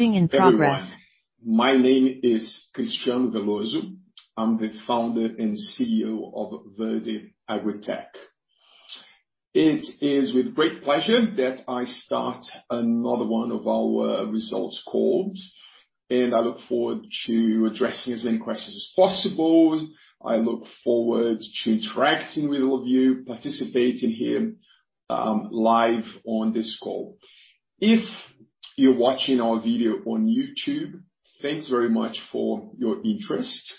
Everyone, my name is Cristiano Veloso. I'm the founder and CEO of Verde AgriTech. It is with great pleasure that I start another one of our results calls, and I look forward to addressing as many questions as possible. I look forward to interacting with all of you participating here live on this call. If you're watching our video on YouTube, thanks very much for your interest.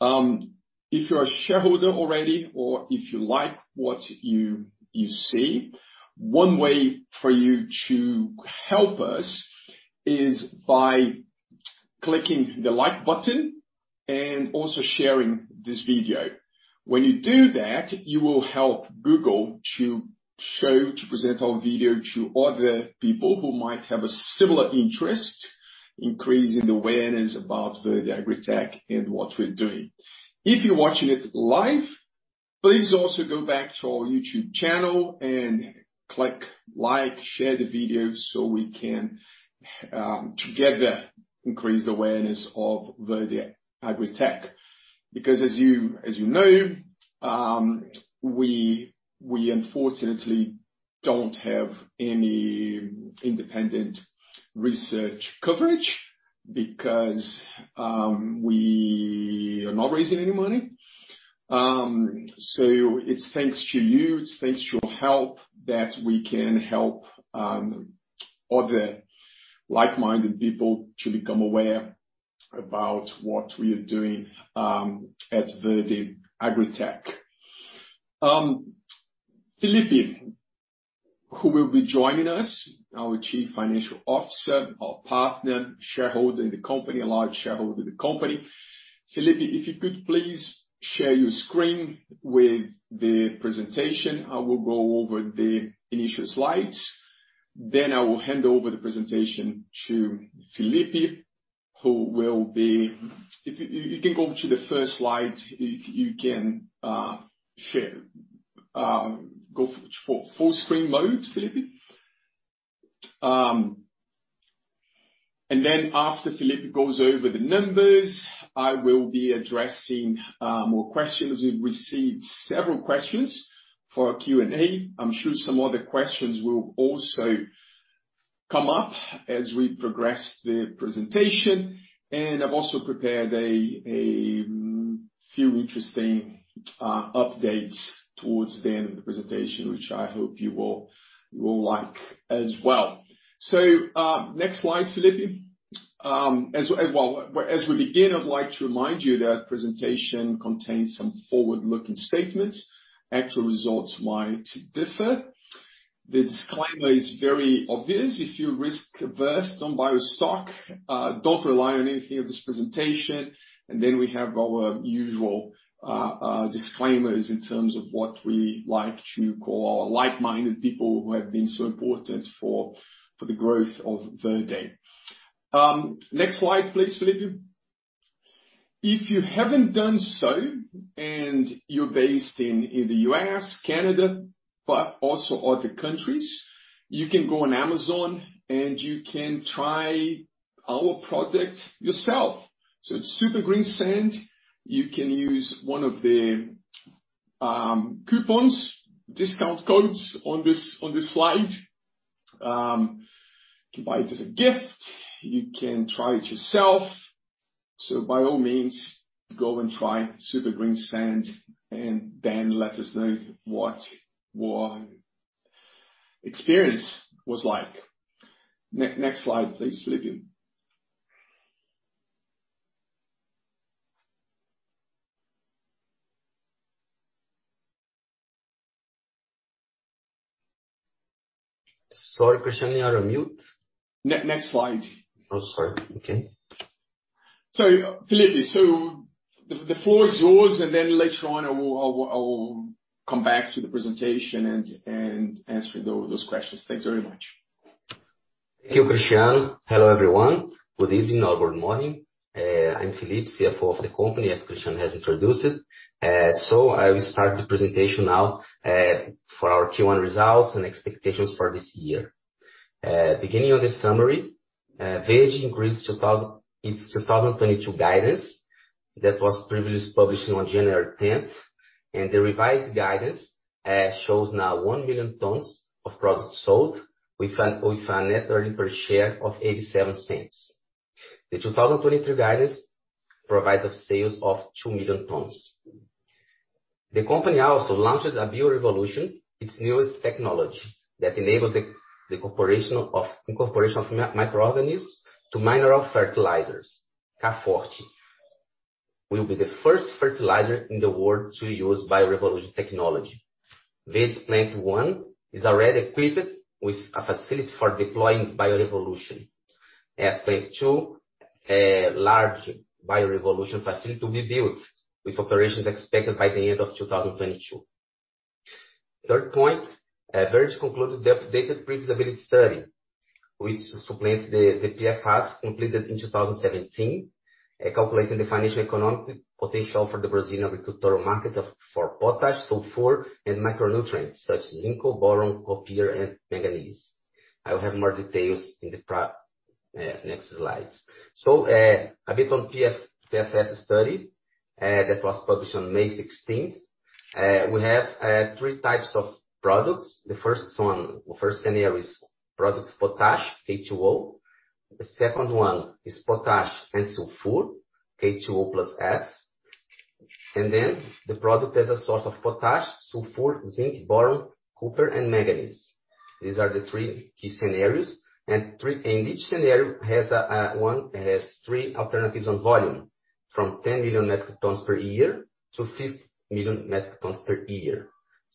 If you're a shareholder already or if you like what you see, one way for you to help us is by clicking the like button and also sharing this video. When you do that, you will help Google to show, to present our video to other people who might have a similar interest, increasing awareness about Verde AgriTech and what we're doing. If you're watching it live, please also go back to our YouTube channel and click like, share the video so we can together increase the awareness of Verde AgriTech. Because as you know, we unfortunately don't have any independent research coverage because we are not raising any money. It's thanks to you it's thanks to your help that we can help other like-minded people to become aware about what we are doing at Verde AgriTech. Felipe, who will be joining us, our Chief Financial Officer, our partner, shareholder in the company, a large shareholder in the company. Felipe, if you could please share your screen with the presentation. I will go over the initial slides, then I will hand over the presentation to Felipe, who will be... If you can go to the first slide, you can share. Go full screen mode, Felipe. After Felipe goes over the numbers, I will be addressing more questions. We've received several questions for our Q&A. I'm sure some other questions will also come up as we progress the presentation, and I've also prepared a few interesting updates towards the end of the presentation, which I hope you will like as well. Next slide, Felipe. Well, as we begin, I'd like to remind you that presentation contains some forward-looking statements. Actual results might differ. The disclaimer is very obvious. If you're risk-averse, don't buy our stock, don't rely on anything in this presentation. We have our usual disclaimers in terms of what we like to call our like-minded people who have been so important for the growth of Verde. Next slide, please, Felipe. If you haven't done so, and you're based in either U.S., Canada, but also other countries, you can go on Amazon, and you can try our product yourself. It's Super Greensand. You can use one of the coupons, discount codes on this slide. You can buy it as a gift. You can try it yourself. By all means, go and try Super Greensand, and then let us know what your experience was like. Next slide, please, Felipe. Sorry, Cristiano, you're on mute. Next slide. Oh, sorry. Okay. Felipe, so, the floor is yours, and then later on, I'll come back to the presentation and answer those questions. Thanks very much. Thank you, Cristiano. Hello, everyone. Good evening or good morning. I'm Felipe, CFO of the company, as Cristiano has introduced. I will start the presentation now for our Q1 results and expectations for this year. Beginning with the summary, Verde increased its 2022 guidance that was previously published on January 10. The revised guidance shows now 1 million tons of products sold with a net earnings per share of $0.87. The 2023 guidance provides us sales of 2 million tons. The company also launched the Bio Revolution, its newest technology that enables the incorporation of microorganisms to mineral fertilizers. K Forte will be the first fertilizer in the world to use Bio Revolution technology. Verde's plant one is already equipped with a facility for deploying Bio Revolution. At plant two, a large Bio Revolution facility will be built, with operations expected by the end of 2022. Third point, Verde concluded the updated pre-feasibility study, which supplants the PFS completed in 2017, calculating the financial economic potential for the Brazilian agricultural market for potash, sulfur, and micronutrients such as zinc, boron, copper, and manganese. I will have more details in the next slides. A bit on PFS study that was published on May 16. We have three types of products. The first scenario is product potash K2O. The second one is potash and sulfur, K2O plus S. And then the product is a source of potash, sulfur, zinc, boron, copper and manganese. These are the three key scenarios. Each scenario has three alternatives on volume from 10 million metric tons per year to 50 million metric tons per year.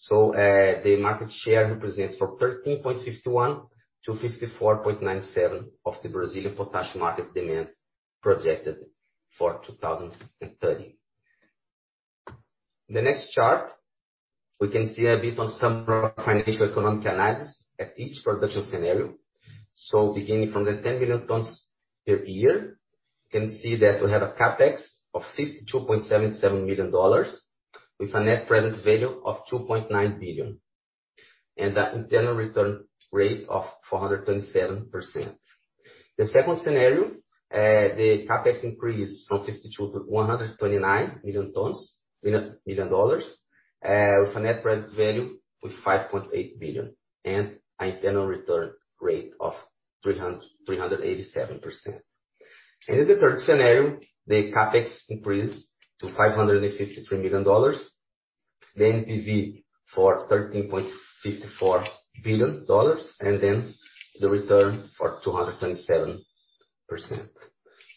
The market share represents from 13.51% to 54.97% of the Brazilian potash market demand projected for 2030. The next chart, we can see a bit on some financial economic analysis at each production scenario. Beginning from the 10 million tons per year, you can see that we have a CapEx of $52.77 million with a net present value of $2.9 billion. The internal return rate of 427%. The second scenario, the CapEx increased from 52 to 129 million dollars. million dollars, with a net present value of $5.8 billion and an internal return rate of 387%. In the third scenario, the CapEx increased to $553 million. The NPV of $13.54 billion, and then the return of 227%.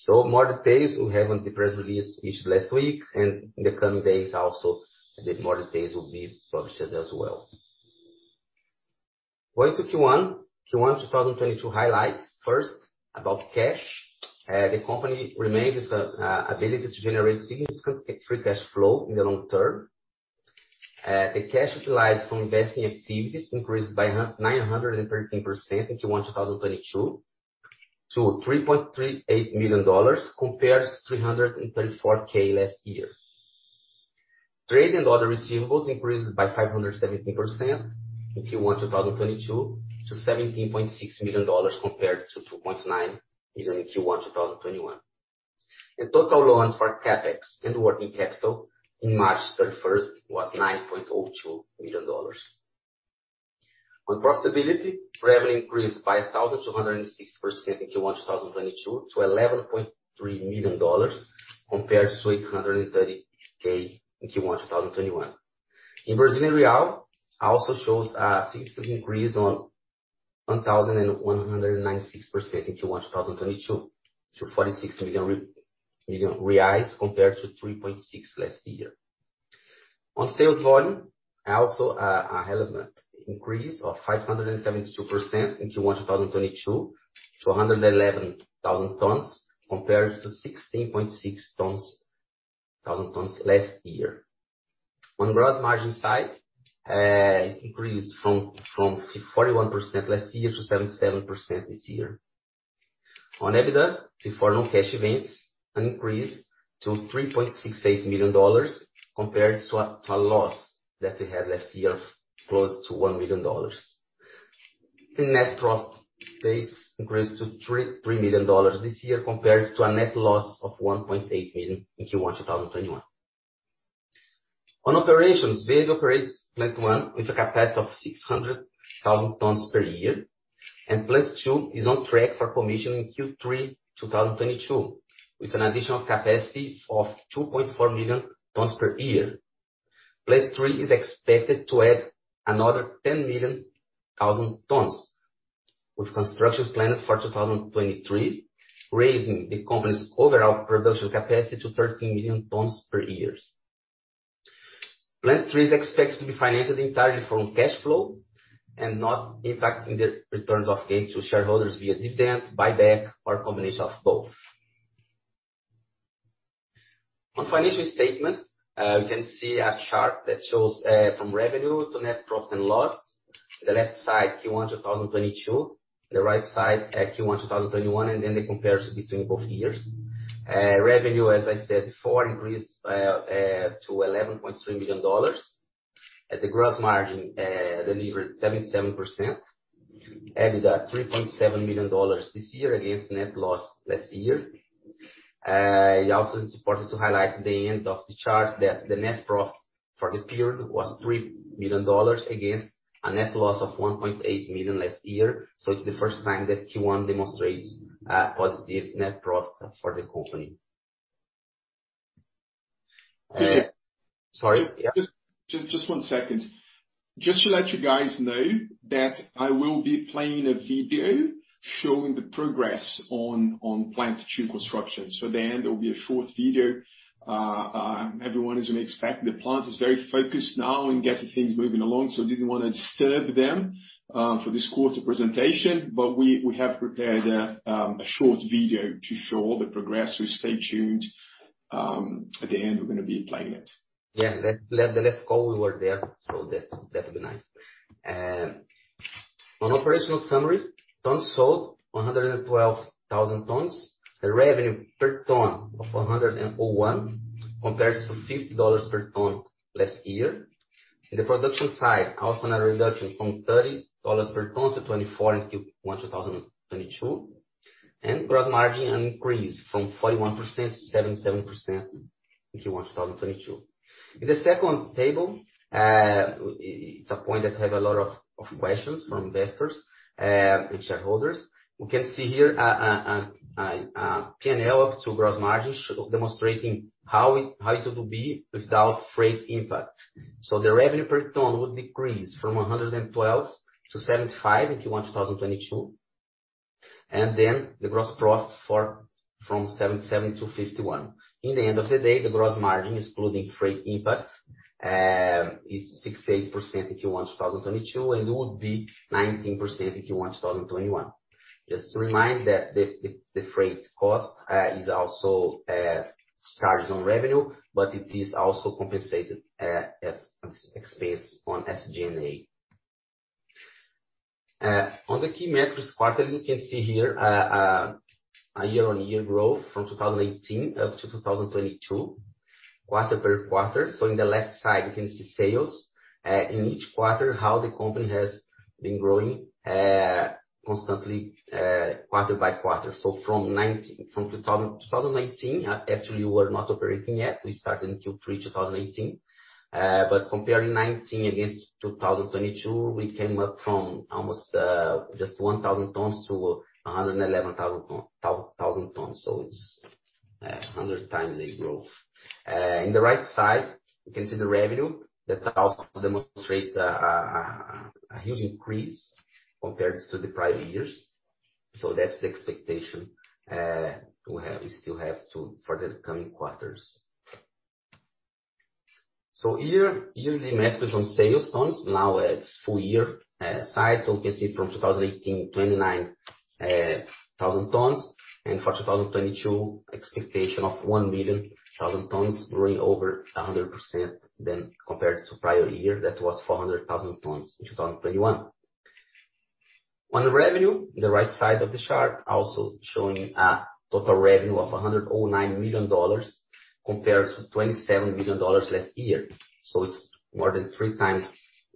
More details we have on the press release issued last week and in the coming days also, a bit more details will be published as well. Going to Q1. Q1 2022 highlights. First, about cash. The company maintains its ability to generate significant free cash flow in the long term. The cash utilized from investing activities increased by 913% in Q1 2022 to $3.38 million compared to $334K last year. Trade and other receivables increased by 517% in Q1 2022 to $17.6 million compared to $2.9 million in Q1 2021. In total loans for CapEx and working capital in March 31 was $9.02 million. On profitability, revenue increased by 1,260% in Q1 2022 to $11.3 million compared to $830K in Q1 2021. In Brazilian real, shows a significant increase of 1,196% in Q1 2022 to 46 million reais compared to 3.6 million last year. On sales volume, a relevant increase of 572% in Q1 2022 to 111,000 tons compared to 16,600 tons last year. On gross margin side, increased from 41% last year to 77% this year. On EBITDA before non-cash events, an increase to $3.68 million compared to a loss that we had last year, close to $1 million. The net profit base increased to $3 million this year compared to a net loss of $1.8 million in Q1 2021. On operations, Verde operates plant one with a capacity of 600,000 tons per year, and plant two is on track for commissioning in Q3 2022, with an additional capacity of 2.4 million tons per year. Plant three is expected to add another 10 million tons, with construction planned for 2023, raising the company's overall production capacity to 13 million tons per year. Plant three is expected to be financed entirely from cash flow and not impacting the returns of Verde to shareholders via dividend, buyback, or a combination of both. On financial statements, you can see a chart that shows from revenue to net profit and loss. The left side, Q1 2022, the right side, Q1 2021, and then the comparison between both years. Revenue, as I said before, increased to $11.3 million. The gross margin delivered 77%. EBITDA $3.7 million this year against net loss last year. It also is important to highlight the end of the chart that the net profit for the period was $3 million against a net loss of $1.8 million last year. It's the first time that Q1 demonstrates a positive net profit for the company. Yeah. Sorry? Yeah. Just one second. Just to let you guys know that I will be playing a video showing the progress on plant two construction. At the end, there will be a short video. Everyone is expecting. The plant is very focused now in getting things moving along, so didn't wanna disturb them for this quarter presentation, but we have prepared a short video to show all the progress. Stay tuned, at the end, we're gonna be playing it. Yeah. The last call we were there, so that's definitely nice. On operational summary, tons sold 112,000 tons. The revenue per ton of $101 compared to $50 per ton last year. In the production side, also a reduction from $30 per ton to $24 in Q1 2022. Gross margin a increase from 41% to 77% in Q1 2022. In the second table, it's a point that I have a lot of questions from investors and shareholders. We can see here a P&L of two gross margins demonstrating how it would be without freight impact. The revenue per ton would decrease from $112 to $75 in Q1 2022, and then the gross profit from $77 to $51. In the end of the day, the gross margin excluding freight impact is 68% in Q1 2022, and it would be 19% in Q1 2021. Just to remind that the freight cost is also charged on revenue, but it is also compensated as expense on SG&A. On the key metrics quarters, you can see here a year-on-year growth from 2018 up to 2022, quarter per quarter. On the left side you can see sales in each quarter how the company has been growing constantly, quarter by quarter. From 2019, actually we were not operating yet. We started in Q3 2018. Comparing 2019 against 2022, we came up from almost just 1,000 tons to 111,000 tons. It's 100 times the growth. In the right side you can see the revenue that also demonstrates a huge increase compared to the prior years. That's the expectation for the coming quarters. Yearly metrics on sales tons now at full year size. You can see from 2018, 29,000 tons, and for 2022, expectation of 1,000,000 tons, growing over 100% compared to prior year that was 400,000 tons in 2021. On revenue, in the right side of the chart, also showing a total revenue of $109 million compared to $27 million last year. It's more than three times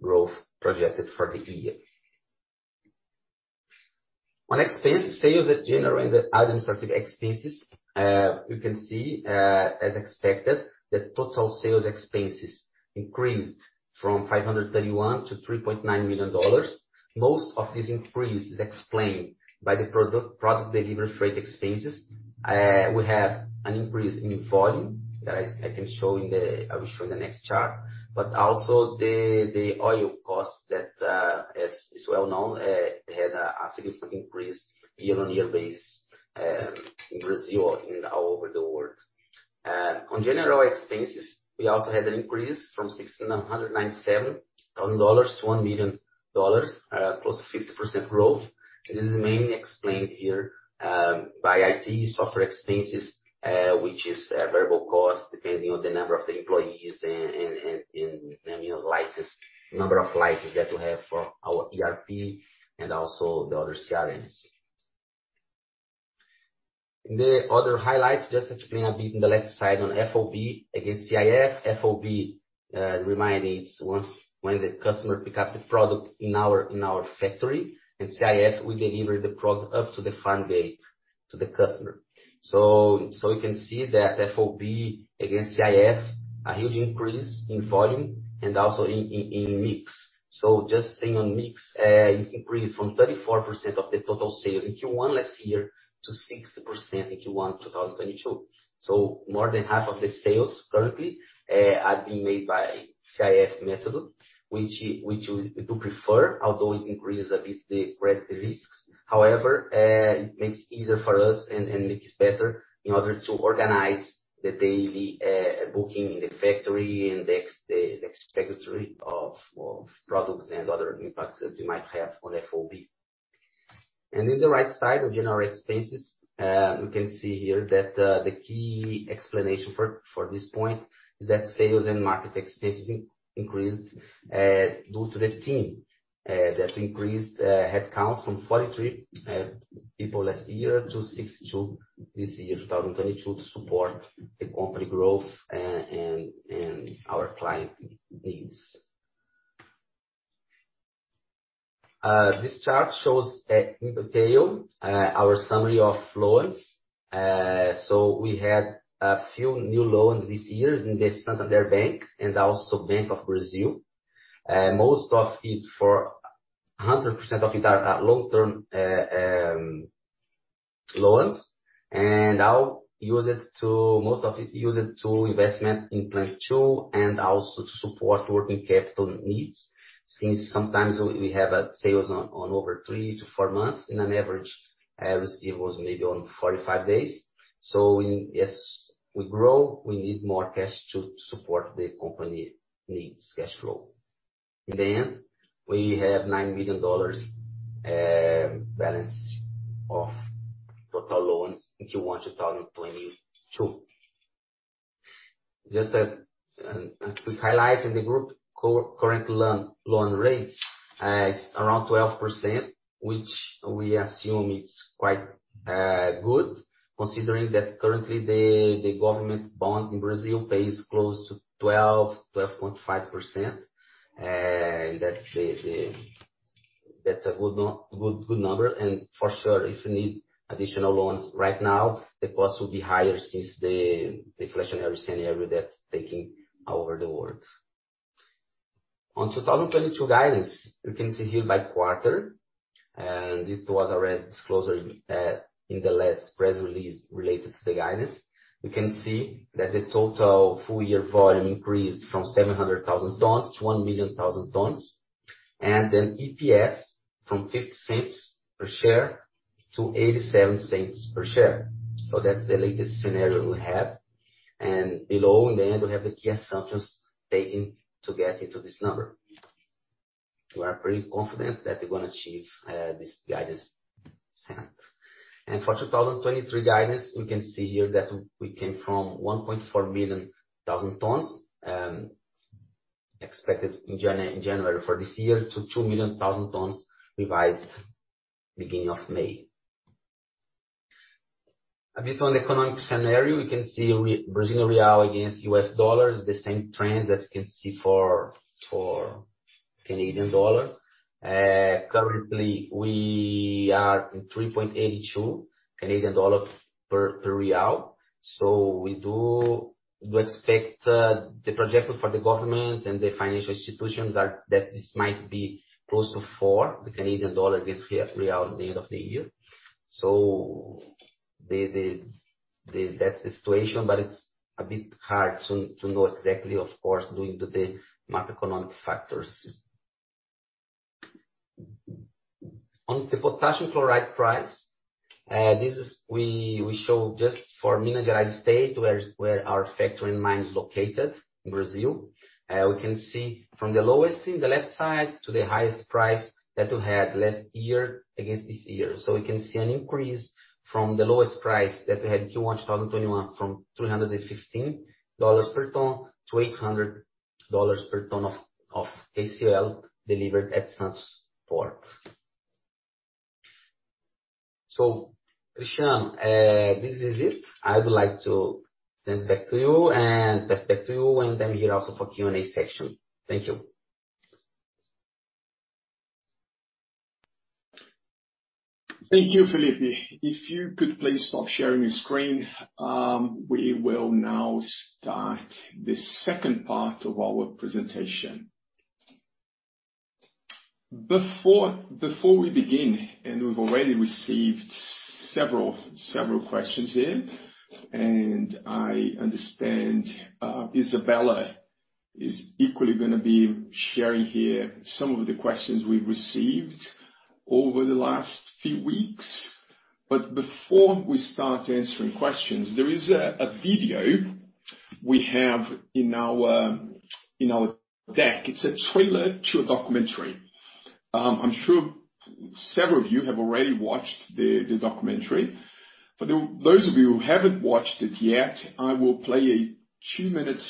growth projected for the year. On expenses, sales, general, and administrative expenses, you can see, as expected, the total SG&A expenses increased from $531,000 to $3.9 million. Most of this increase is explained by the product delivery freight expenses. We have an increase in volume. I will show in the next chart. Also the oil cost that as is well known had a significant increase year-over-year basis in Brazil and all over the world. On general expenses, we also had an increase from $1,697 thousand to $1 million, plus 50% growth. This is mainly explained here by IT software expenses which is a variable cost depending on the number of the employees and you know number of licenses that we have for our ERP and also the other CRMs. In the other highlights, just to explain a bit on the left side on FOB against CIF. FOB, it's when the customer picks up the product in our factory. In CIF, we deliver the product up to the farm gate to the customer. You can see that FOB against CIF, a huge increase in volume and also in mix. Just saying on mix, it increased from 34% of the total sales in Q1 last year to 60% in Q1 2022. More than half of the sales currently are being made by CIF method, which we do prefer, although it increases a bit the credit risks. However, it makes it easier for us and makes it better in order to organize the daily booking in the factory and the expediting of products and other impacts that we might have on FOB. In the right side, on general expenses, we can see here that the key explanation for this point is that sales and market expenses increased due to the team that increased headcount from 43 people last year to 62 this year, 2022, to support the company growth and our client needs. This chart shows in detail our summary of loans. We had a few new loans this year in the Standard Chartered Bank and also Banco do Brasil. Most of it – 100% of it are long-term loans, and I'll use it to... Most of it use it to investment in plant two and also to support working capital needs, since sometimes we have sales on over three to four months in an average, as it was maybe on 45 days. As we grow, we need more cash to support the company needs cash flow. In the end, we have $9 million balance of total loans in Q1 2022. To highlight in the group current loan rates is around 12%, which we assume it's quite good, considering that currently the government bond in Brazil pays close to 12.5%. That's a good number. For sure, if you need additional loans right now, the cost will be higher since the inflationary scenario that's taking over the world. On 2022 guidance, you can see here by quarter, and this was already disclosed in the last press release related to the guidance. You can see that the total full year volume increased from 700,000 tons to 1,000,000 tons, and then EPS from $0.50 per share to $0.87 per share. That's the latest scenario we have. Below in the end, we have the key assumptions taken to get into this number. We are pretty confident that we're gonna achieve this guidance set. For 2023 guidance, we can see here that we came from 1.4 million tons expected in January for this year to 2 million tons revised beginning of May. A bit on economic scenario. We can see Brazilian real against U.S. dollar is the same trend that you can see for Canadian dollar. Currently we are in 3.82 Canadian dollar per real. We do expect the projection for the government and the financial institutions are that this might be close to four. The Canadian dollar against real at the end of the year. That's the situation, but it's a bit hard to know exactly, of course, due to the macroeconomic factors. On the potassium chloride price, this we show just for Minas Gerais state where our factory and mine is located in Brazil. We can see from the lowest in the left side to the highest price that we had last year against this year. We can see an increase from the lowest price that we had in Q1 2021 from $315 per ton to $800 per ton of KCl delivered at Santos port. Cristiano, this is it. I would like to send it back to you and pass back to you and then here also for Q&A session. Thank you. Thank you, Felipe. If you could please stop sharing your screen, we will now start the second part of our presentation. Before we begin, we've already received several questions here, and I understand Isabella is equally gonna be sharing here some of the questions we've received over the last few weeks. Before we start answering questions, there is a video we have in our deck. It's a trailer to a documentary. I'm sure several of you have already watched the documentary, but those of you who haven't watched it yet, I will play a two-minute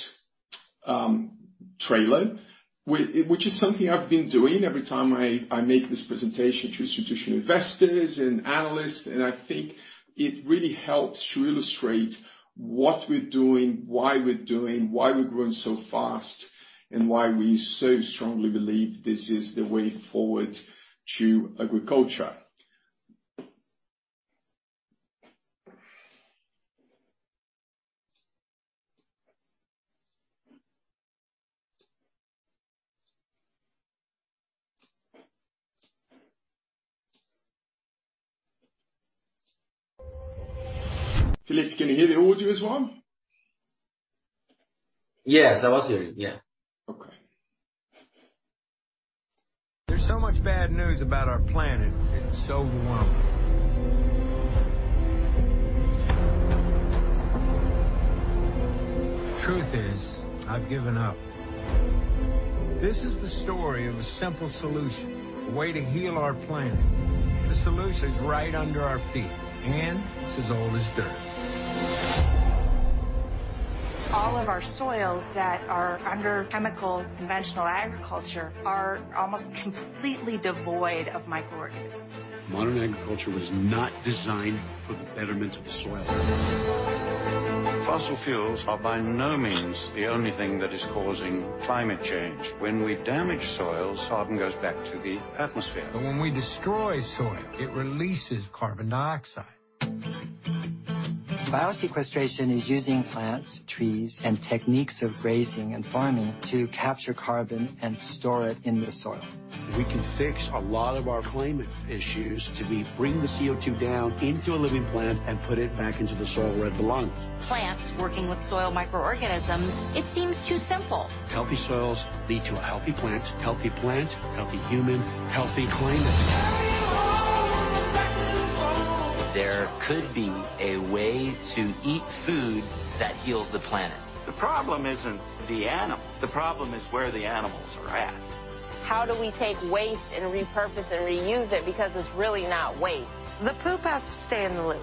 trailer which is something I've been doing every time I make this presentation to institutional investors and analysts, and I think it really helps to illustrate what we're doing, why we're doing, why we're growing so fast, and why we so strongly believe this is the way forward to agriculture. Felipe, can you hear the audio as well? Yes, I was hearing. Yeah. Okay. There's so much bad news about our planet getting so warm. Truth is, I've given up. This is the story of a simple solution, a way to heal our planet. The solution is right under our feet, and it's as old as dirt. All of our soils that are under chemical conventional agriculture are almost completely devoid of microorganisms. Modern agriculture was not designed for the betterment of the soil. Fossil fuels are by no means the only thing that is causing climate change. When we damage soil, carbon goes back to the atmosphere. when we destroy soil, it releases carbon dioxide. Biosequestration is using plants, trees, and techniques of grazing and farming to capture carbon and store it in the soil. We can fix a lot of our climate issues till we bring the CO2 down into a living plant and put it back into the soil where it belongs. Plants working with soil microorganisms, it seems too simple. Healthy soils lead to a healthy plant. Healthy plant, healthy human, healthy climate. Back to the bone. There could be a way to eat food that heals the planet. The problem isn't the animal. The problem is where the animals are at. How do we take waste and repurpose and reuse it? Because it's really not waste. The poop has to stay in the loop.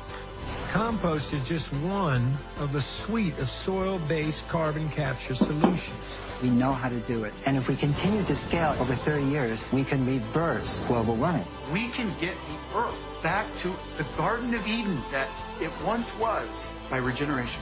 Compost is just one of a suite of soil-based carbon capture solutions. We know how to do it, and if we continue to scale over 30 years, we can reverse global warming. We can get the Earth back to the Garden of Eden that it once was by regeneration.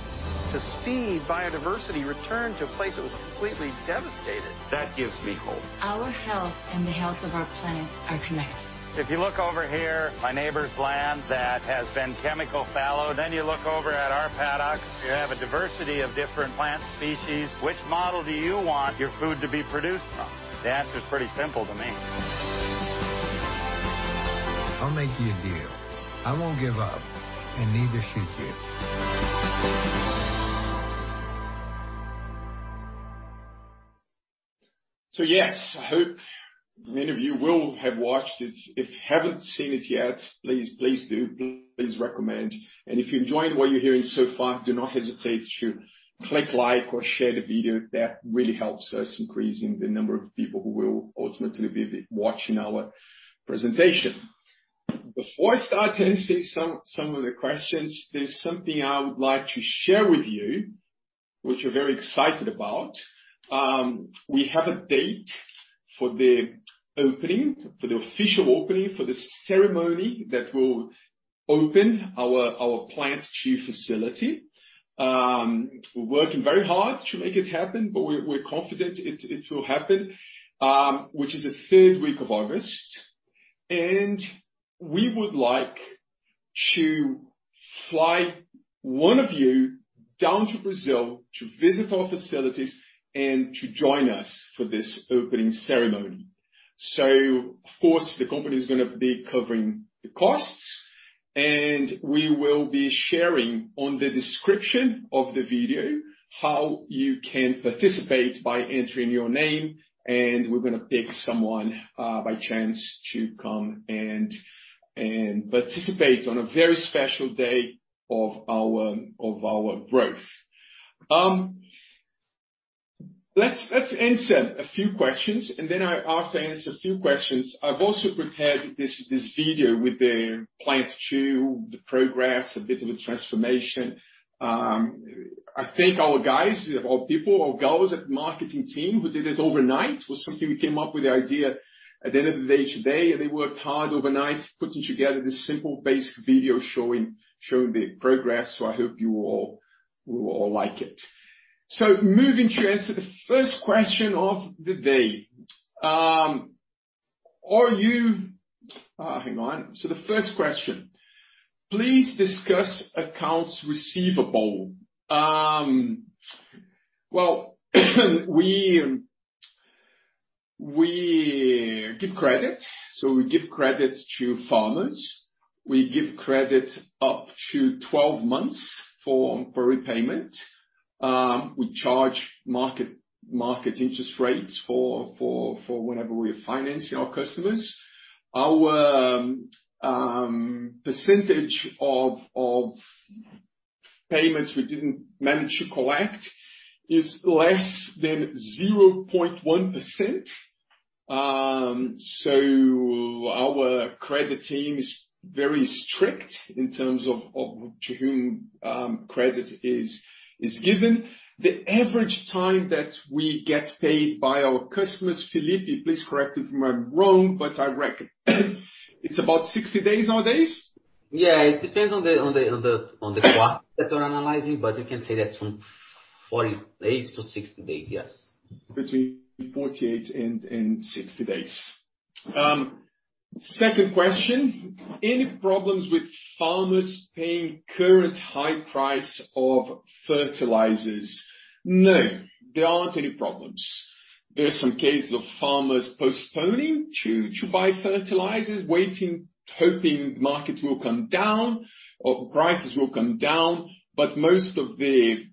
To see biodiversity return to a place that was completely devastated, that gives me hope. Our health and the health of our planet are connected. If you look over here, my neighbor's land that has been chemical fallowed, then you look over at our paddocks, you have a diversity of different plant species. Which model do you want your food to be produced from? The answer is pretty simple to me. I'll make you a deal. I won't give up, and neither should you. Yes, I hope many of you will have watched it. If you haven't seen it yet, please do. Please recommend. If you're enjoying what you're hearing so far, do not hesitate to click like or share the video. That really helps us increasing the number of people who will ultimately be watching our presentation. Before I start answering some of the questions, there's something I would like to share with you, which we're very excited about. We have a date for the opening, for the official opening, for the ceremony that will open our Plant 2 facility. We're working very hard to make it happen, but we're confident it will happen, which is the third week of August. We would like to fly one of you down to Brazil to visit our facilities and to join us for this opening ceremony. Of course, the company is gonna be covering the costs, and we will be sharing on the description of the video how you can participate by entering your name, and we're gonna pick someone by chance to come and participate on a very special day of our growth. Let's answer a few questions, and then after I answer a few questions, I've also prepared this video with the plant two, the progress, a bit of a transformation. I thank our guys, our people, our girls at the marketing team who did it overnight. It was something we came up with the idea at the end of the day today, and they worked hard overnight putting together this simple basic video showing the progress. I hope you all will like it. Moving to answer the first question of the day. The first question, please discuss accounts receivable. We give credit. We give credit to farmers. We give credit up to 12 months for repayment. We charge market interest rates for whenever we're financing our customers. Our percentage of payments we didn't manage to collect is less than 0.1%. Our credit team is very strict in terms of to whom credit is given. The average time that we get paid by our customers, Felipe, please correct if I'm wrong, but I reckon, it's about 60 days nowadays. Yeah. It depends on the quarter that you're analyzing, but you can say that's from 48-60 days, yes. Between 48 and 60 days. Second question, any problems with farmers paying current high price of fertilizers? No, there aren't any problems. There are some cases of farmers postponing to buy fertilizers, waiting, hoping markets will come down or prices will come down. Most of the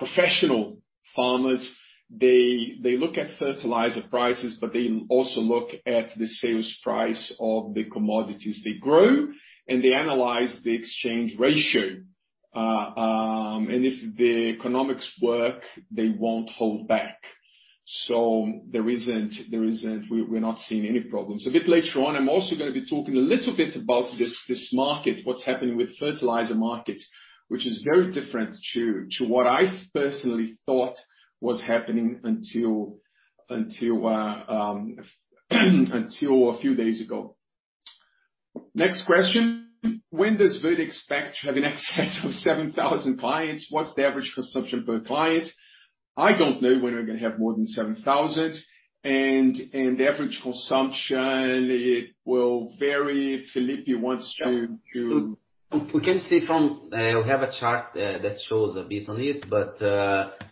professional farmers, they look at fertilizer prices, but they also look at the sales price of the commodities they grow, and they analyze the exchange ratio. And if the economics work, they won't hold back. There isn't. We're not seeing any problems. A bit later on, I'm also gonna be talking a little bit about this market, what's happening with fertilizer markets, which is very different to what I personally thought was happening until a few days ago. Next question, when does Verde expect to have an excess of 7,000 clients? What's the average consumption per client? I don't know when we're gonna have more than 7,000. Average consumption, it will vary. Felipe, you want to We can see from. We have a chart that shows a bit on it, but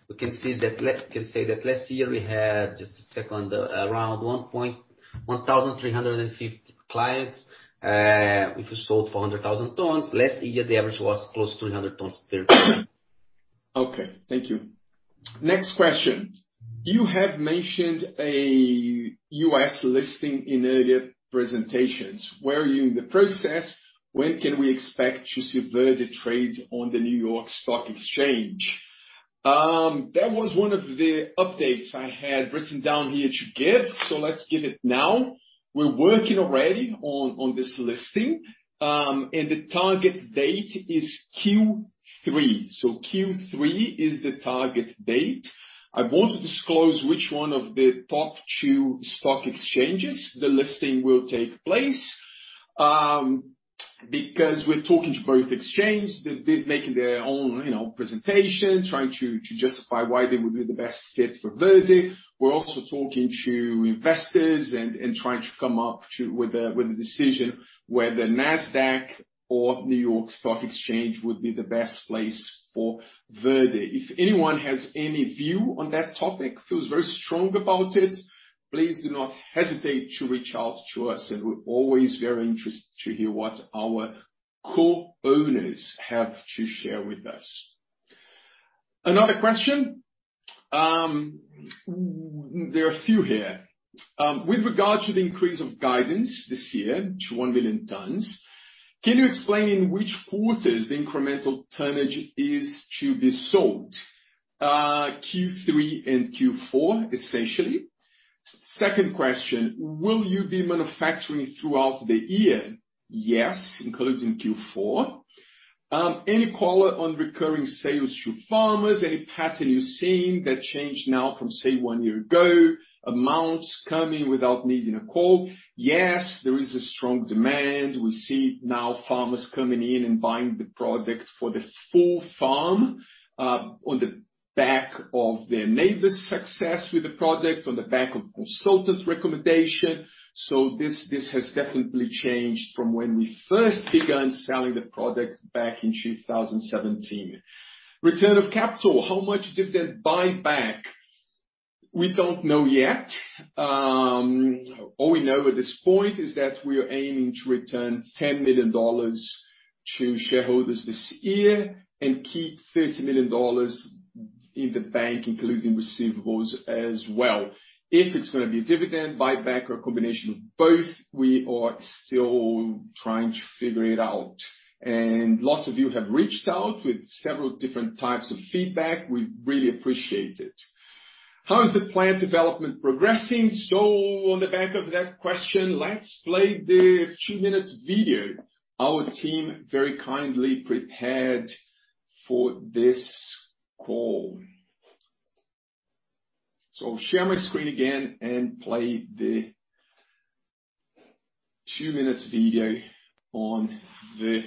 we can see that. We can say that last year we had around 1,350 clients, which we sold 400,000 tons. Last year the average was close to 100 tons per client. Okay, thank you. Next question. You have mentioned a U.S. listing in earlier presentations. Where are you in the process? When can we expect to see Verde trade on the New York Stock Exchange? That was one of the updates I had written down here to give, so let's give it now. We're working already on this listing, and the target date is Q3. So Q3 is the target date. I won't disclose which one of the top two stock exchanges the listing will take place, because we're talking to both exchanges. They're making their own, you know, presentation, trying to justify why they would be the best fit for Verde. We're also talking to investors and trying to come up with a decision whether Nasdaq or New York Stock Exchange would be the best place for Verde. If anyone has any view on that topic, feels very strong about it, please do not hesitate to reach out to us, and we're always very interested to hear what our co-owners have to share with us. Another question. There are a few here. With regard to the increase of guidance this year to 1 million tons, can you explain in which quarters the incremental tonnage is to be sold? Q3 and Q4, essentially. Second question, will you be manufacturing throughout the year? Yes, including Q4. Any color on recurring sales to farmers? Any pattern you're seeing that changed now from, say, one year ago, amounts coming without needing a call? Yes, there is a strong demand. We see now farmers coming in and buying the product for the full farm, on the back of their neighbor's success with the product, on the back of consultant recommendation. This has definitely changed from when we first began selling the product back in 2017. Return of capital, how much dividend buyback? We don't know yet. All we know at this point is that we are aiming to return $10 million to shareholders this year and keep $30 million in the bank, including receivables as well. If it's gonna be a dividend, buyback, or a combination of both, we are still trying to figure it out. Lots of you have reached out with several different types of feedback. We really appreciate it. How is the plant development progressing? On the back of that question, let's play the two-minute video our team very kindly prepared for this call. I'll share my screen again and play the two-minute video on the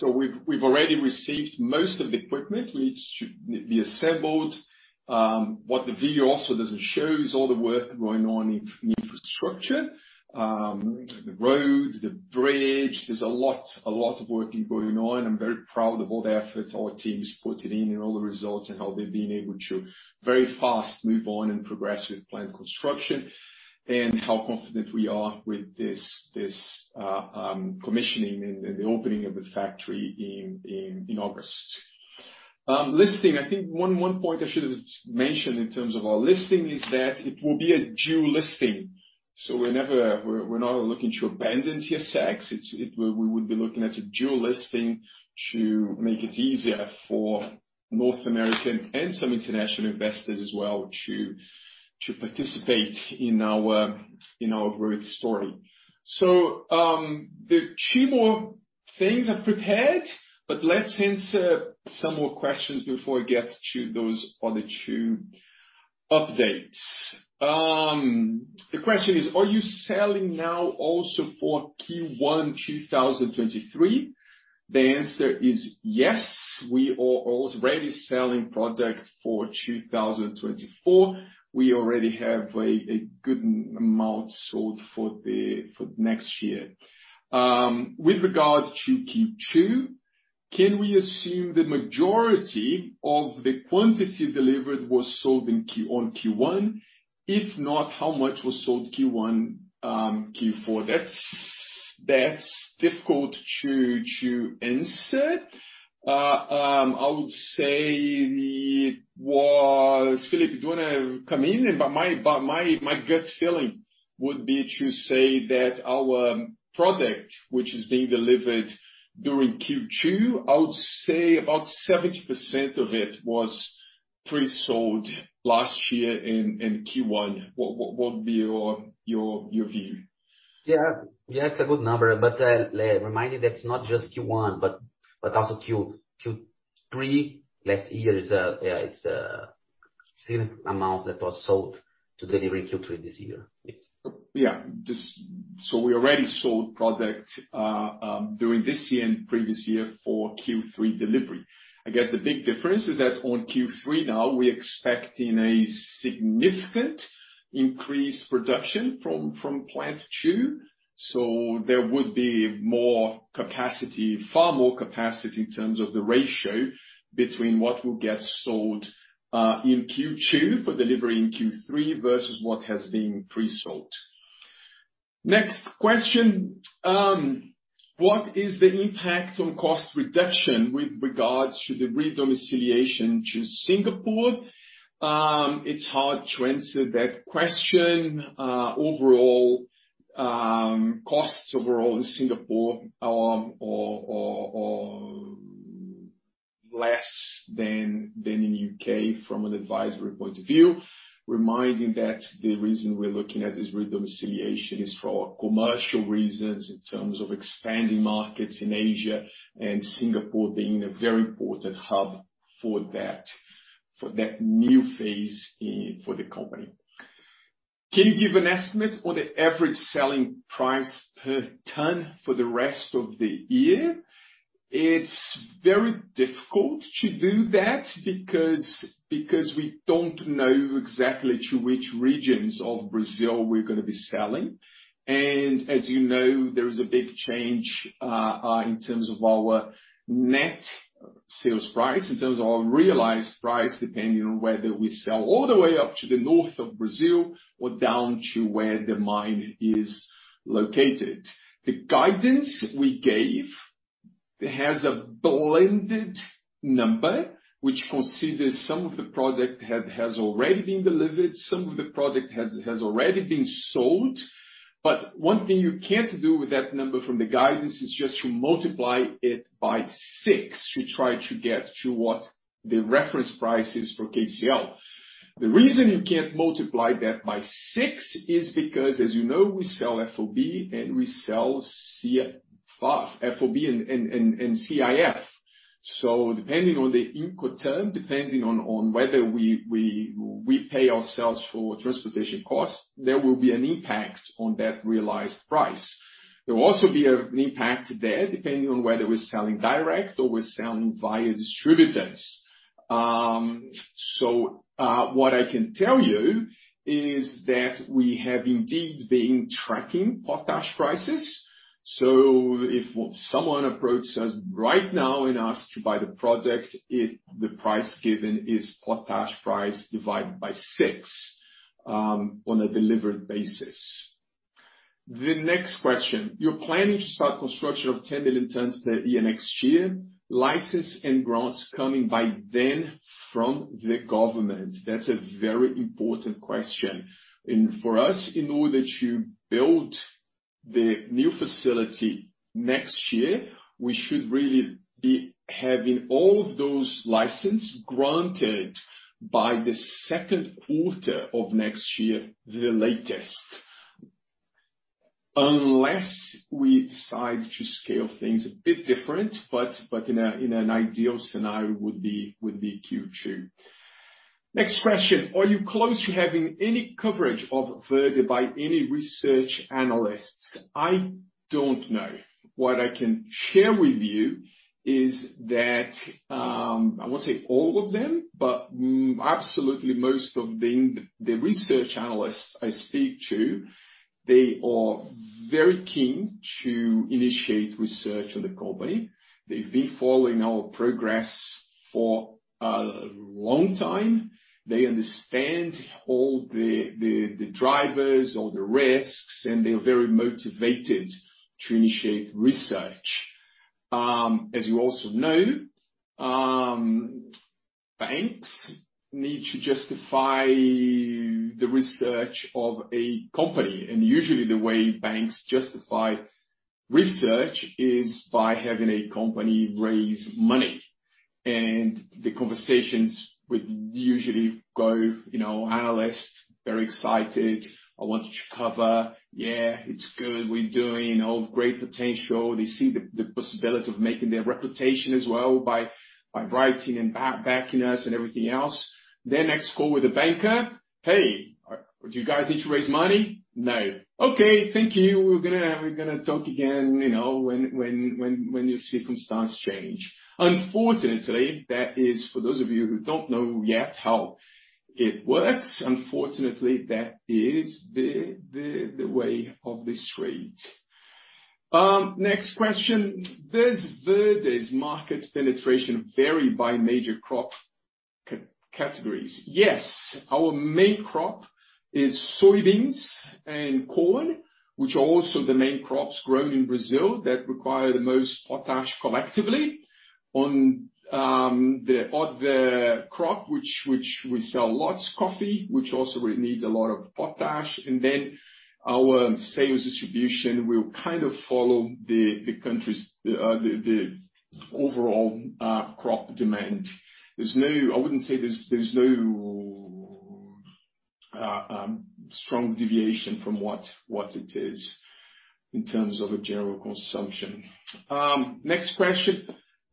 plant. We've already received most of the equipment which should be assembled. What the video also doesn't show is all the work going on in infrastructure, the roads, the bridge. There's a lot of work going on. I'm very proud of all the effort our team's putting in and all the results and how they've been able to very fast move on and progress with plant construction, and how confident we are with this commissioning and the opening of the factory in August. Listing. I think one point I should've mentioned in terms of our listing is that it will be a dual listing. We're not looking to abandon TSX. We would be looking at a dual listing to make it easier for North American and some international investors as well to participate in our growth story. There are two more things I've prepared, but let's answer some more questions before I get to those other two updates. The question is, "Are you selling now also for Q1 2023?" The answer is yes, we are already selling product for 2024. We already have a good amount sold for next year. With regards to Q2, "Can we assume the majority of the quantity delivered was sold in Q-- on Q1? If not, how much was sold Q1, Q4? That's difficult to answer. Felipe, do you wanna come in? My gut feeling would be to say that our product, which is being delivered during Q2, I would say about 70% of it was pre-sold last year in Q1. What would be your view? Yeah. Yeah, it's a good number, but remind you that's not just Q1, but also Q2, Q3 last year is, yeah, it's a similar amount that was sold to deliver in Q3 this year. Just so we already sold product during this year and previous year for Q3 delivery. I guess the big difference is that on Q3 now, we're expecting a significant increased production from plant two. There would be more capacity, far more capacity in terms of the ratio between what will get sold in Q2 for delivery in Q3 versus what has been pre-sold. Next question, "What is the impact on cost reduction with regards to the re-domiciliation to Singapore?" It's hard to answer that question. Overall, costs overall in Singapore are less than in U.K. from an advisory point of view. Reminding that the reason we're looking at this redomiciliation is for commercial reasons in terms of expanding markets in Asia and Singapore being a very important hub for that new phase for the company. "Can you give an estimate on the average selling price per ton for the rest of the year?" It's very difficult to do that because we don't know exactly to which regions of Brazil, we're gonna be selling. As you know, there is a big change in terms of our net sales price, in terms of our realized price, depending on whether we sell all the way up to the north of Brazil or down to where the mine is located. The guidance we gave has a blended number which considers some of the product has already been delivered, some of the product has already been sold. One thing you can't do with that number from the guidance is just to multiply it by six to try to get to what the reference price is for KCl. The reason you can't multiply that by six is because, as you know, we sell FOB and CIF. Depending on the Incoterm, depending on whether we pay ourselves for transportation costs, there will be an impact on that realized price. There will also be an impact there depending on whether we're selling direct or we're selling via distributors. What I can tell you is that we have indeed been tracking potash prices. If someone approaches us right now and asks to buy the product, the price given is potash price divided by six, on a delivered basis. The next question, "You're planning to start construction of 10 million tons per year next year. License and grants coming by then from the government?" That's a very important question. For us, in order to build the new facility next year, we should really be having all of those license granted by the second quarter of next year, the latest. Unless we decide to scale things a bit different, but in an ideal scenario would be Q2. Next question. Are you close to having any coverage of Verde by any research analysts? I don't know. What I can share with you is that I won't say all of them, but absolutely most of the research analysts I speak to, they are very keen to initiate research on the company. They've been following our progress for a long time. They understand all the drivers, all the risks, and they are very motivated to initiate research. As you also know, banks need to justify the research of a company, and usually the way banks justify research is by having a company raise money. The conversations would usually go, you know, analyst, very excited, I want you to cover. Yeah, it's good, we're doing, you know, great potential. They see the possibility of making their reputation as well by writing and backing us and everything else. Their next call with the banker, "Hey, do you guys need to raise money?" "No." "Okay, thank you. We're gonna talk again, you know, when your circumstances change." Unfortunately, that is for those of you who don't know yet how it works, the way of the street. Next question. Does Verde's market penetration vary by major crop categories? Yes. Our main crop is soybeans and corn, which are also the main crops grown in Brazil that require the most potash collectively. On the other crop, which we sell lots, coffee, which also needs a lot of potash. Then our sales distribution will kind of follow the country's overall crop demand. I wouldn't say there's no strong deviation from what it is in terms of a general consumption. Next question.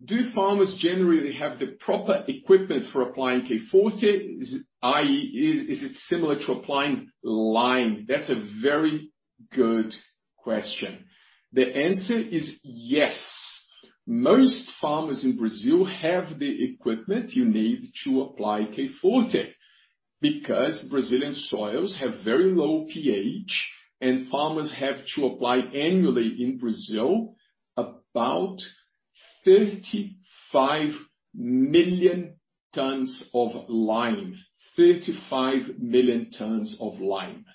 Do farmers generally have the proper equipment for applying K Forte? Is it i.e., is it similar to applying lime? That's a very good question. The answer is yes. Most farmers in Brazil have the equipment you need to apply K Forte because Brazilian soils have very low pH, and farmers have to apply annually in Brazil about 35 million tons of lime. 35 million tons of lime.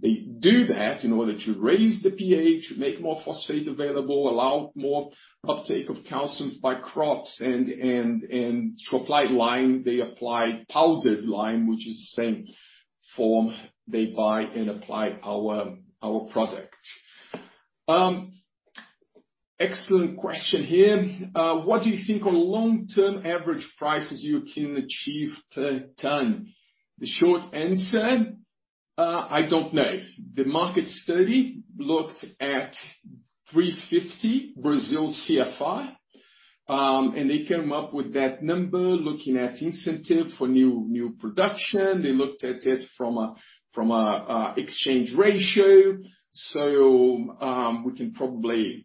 They do that in order to raise the pH, make more phosphate available, allow more uptake of calcium by crops and to apply lime, they apply powdered lime, which is the same form they buy and apply our product. Excellent question here. What do you think are long-term average prices you can achieve per ton? The short answer, I don't know. The market study looked at $350 Brazil CFR, and they came up with that number looking at incentive for new production. They looked at it from a exchange ratio. We can probably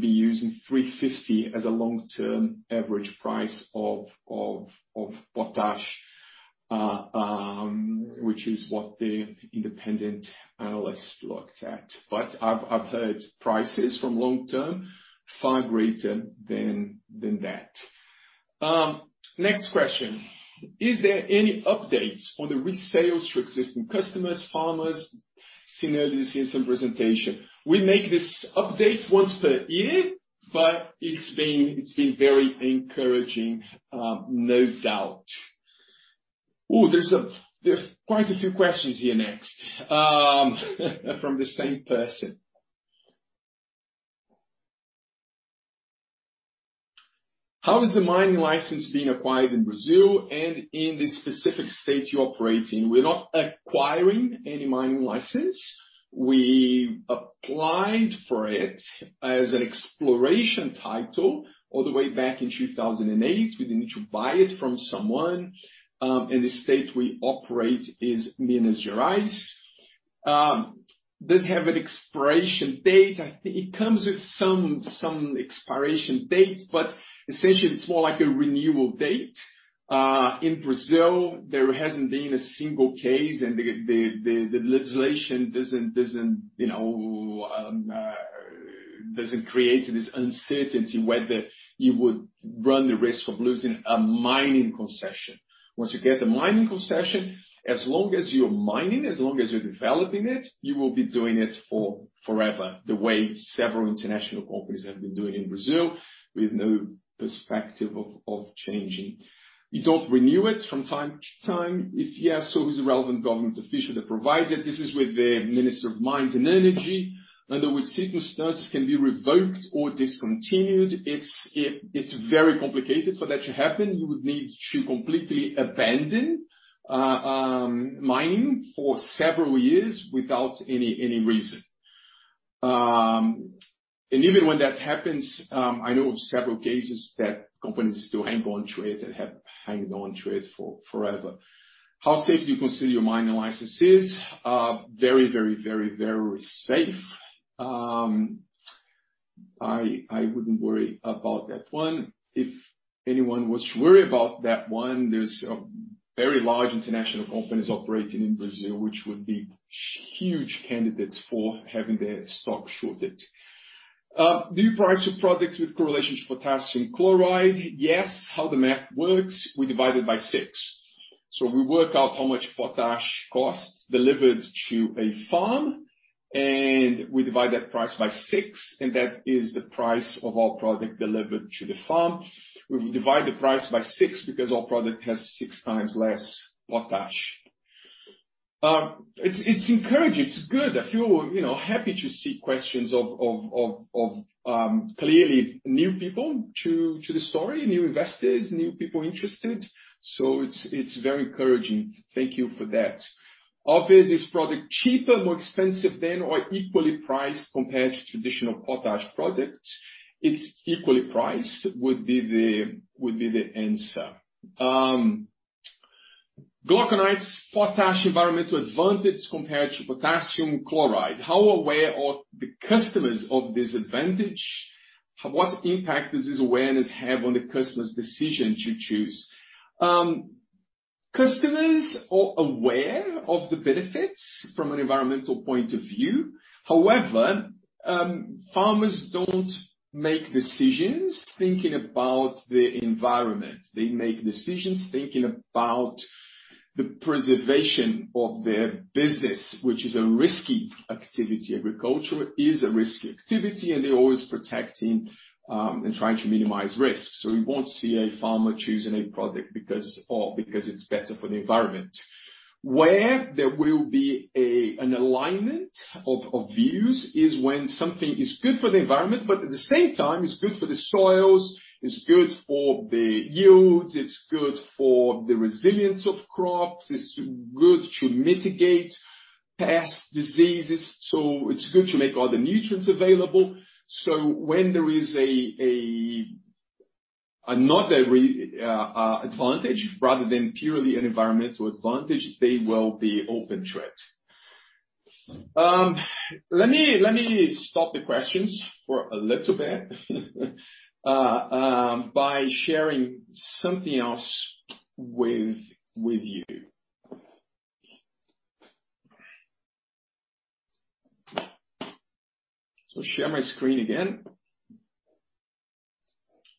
be using $350 as a long-term average price of potash, which is what the independent analysts looked at. I've heard long-term prices far greater than that. Next question. Is there any updates on the resales for existing customers, farmers seen earlier in the presentation? We make this update once per year, but it's been very encouraging, no doubt. There are quite a few questions here next from the same person. How is the mining license being acquired in Brazil and in the specific state you operate in? We're not acquiring any mining license. We applied for it as an exploration title all the way back in 2008. We didn't need to buy it from someone. The state we operate is Minas Gerais. Does it have an expiration date? I think it comes with some expiration date, but essentially it's more like a renewal date. In Brazil, there hasn't been a single case, and the legislation doesn't, you know, create this uncertainty whether you would run the risk of losing a mining concession. Once you get a mining concession, as long as you're mining, as long as you're developing it, you will be doing it for forever, the way several international companies have been doing in Brazil with no perspective of changing. You don't renew it from time to time. If yes, who's the relevant government official that provides it? This is with the Minister of Mines and Energy. Under which circumstances can be revoked or discontinued? It's very complicated for that to happen. You would need to completely abandon mining for several years without any reason. Even when that happens, I know of several cases that companies still hang on to it and have hung on to it forever. How safe do you consider your mining licenses? Very safe. I wouldn't worry about that one. If anyone was to worry about that one, there's very large international companies operating in Brazil which would be huge candidates for having their stock shorted. Do you price your products with correlation to potassium chloride? Yes. How the math works, we divide it by six. We work out how much potash costs delivered to a farm, and we divide that price by six, and that is the price of our product delivered to the farm. We divide the price by six because our product has six times less potash. It's encouraging. It's good. I feel, you know, happy to see questions of clearly new people to the story, new investors, new people interested. It's very encouraging. Thank you for that. Obviously, is this product cheaper, more expensive than, or equally priced compared to traditional potash products? It's equally priced would be the answer. Glauconite's potash environmental advantage compared to potassium chloride. How aware are the customers of this advantage? What impact does this awareness have on the customer's decision to choose? Customers are aware of the benefits from an environmental point of view. However, farmers don't make decisions thinking about the environment. They make decisions thinking about the preservation of their business, which is a risky activity. Agriculture is a risky activity, and they're always protecting and trying to minimize risks. We won't see a farmer choosing a product because it's better for the environment. There will be an alignment of views when something is good for the environment, but at the same time it's good for the soils, it's good for the yields, it's good for the resilience of crops, it's good to mitigate pests, diseases, so it's good to make all the nutrients available. When there is another advantage rather than purely an environmental advantage, they will be open to it. Let me stop the questions for a little bit by sharing something else with you. Share my screen again.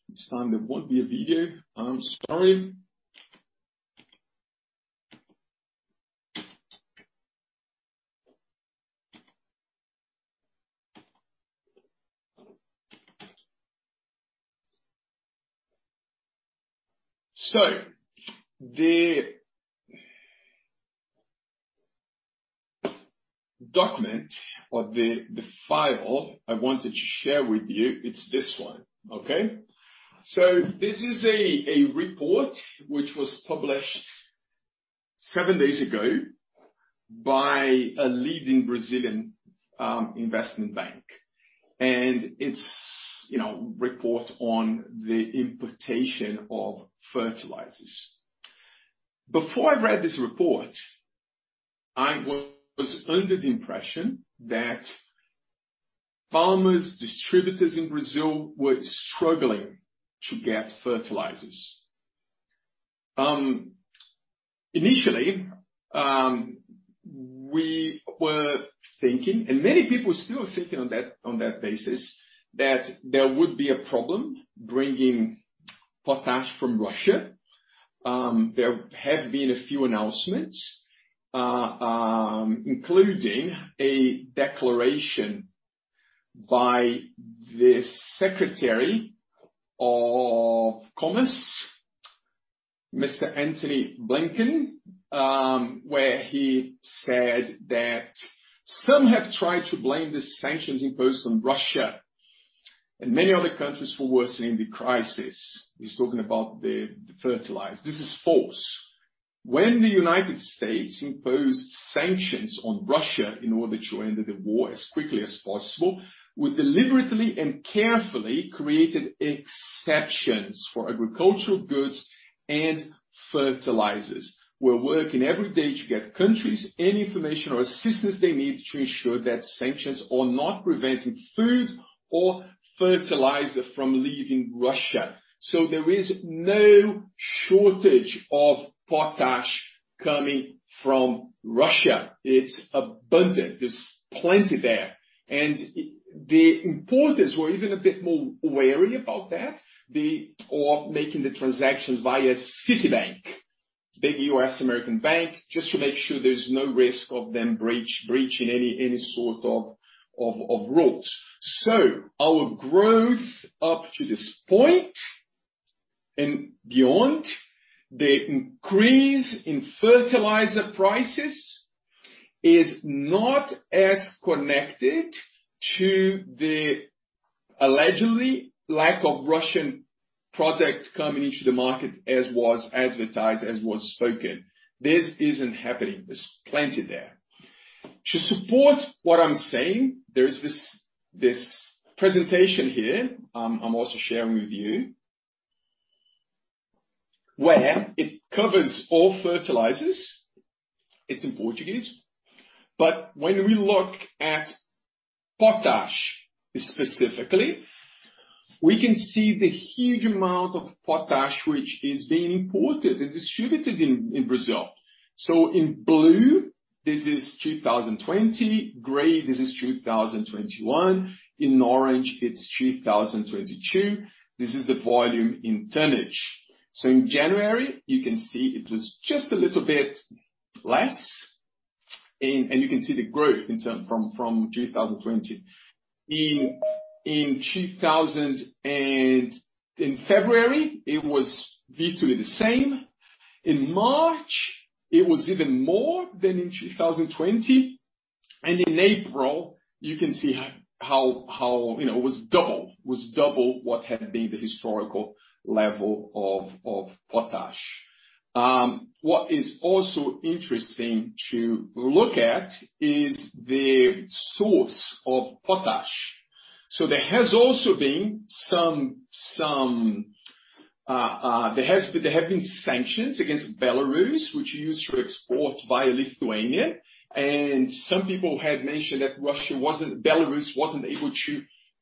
This time there won't be a video. I'm sorry. The document or the file I wanted to share with you, it's this one. Okay? This is a report which was published seven days ago by a leading Brazilian investment bank. It's a report on the importation of fertilizers. Before I read this report, I was under the impression that farmers, distributors in Brazil were struggling to get fertilizers. Initially, we were thinking, and many people are still thinking on that basis, that there would be a problem bringing potash from Russia. There have been a few announcements, including a declaration by the Secretary of State, Mr. Antony Blinken, where he said that, "Some have tried to blame the sanctions imposed on Russia and many other countries for worsening the crisis." He's talking about the fertilizer. This is false. When the United States imposed sanctions on Russia in order to end the war as quickly as possible, we deliberately and carefully created exceptions for agricultural goods and fertilizers. We're working every day to get countries any information or assistance they need to ensure that sanctions are not preventing food or fertilizer from leaving Russia. There is no shortage of potash coming from Russia. It's abundant. There's plenty there. The importers were even a bit more wary about that. Or making the transactions via Citibank, big U.S. American bank, just to make sure there's no risk of them breaching any sort of rules. Our growth up to this point and beyond the increase in fertilizer prices is not as connected to the alleged lack of Russian product coming into the market as was advertised, as was spoken. This isn't happening. There's plenty there. To support what I'm saying, there is this presentation here, I'm also sharing with you, where it covers all fertilizers. It's in Portuguese. When we look at potash specifically, we can see the huge amount of potash which is being imported and distributed in Brazil. In blue, this is 2020, gray this is 2021, in orange it's 2022. This is the volume in tonnage. In January, you can see it was just a little bit less, and you can see the growth in terms from 2020. In February, it was virtually the same. In March, it was even more than in 2020. In April, you can see how you know it was double what had been the historical level of potash. What is also interesting to look at is the source of potash. There have been sanctions against Belarus, which used to export via Lithuania. Some people had mentioned that Belarus wasn't able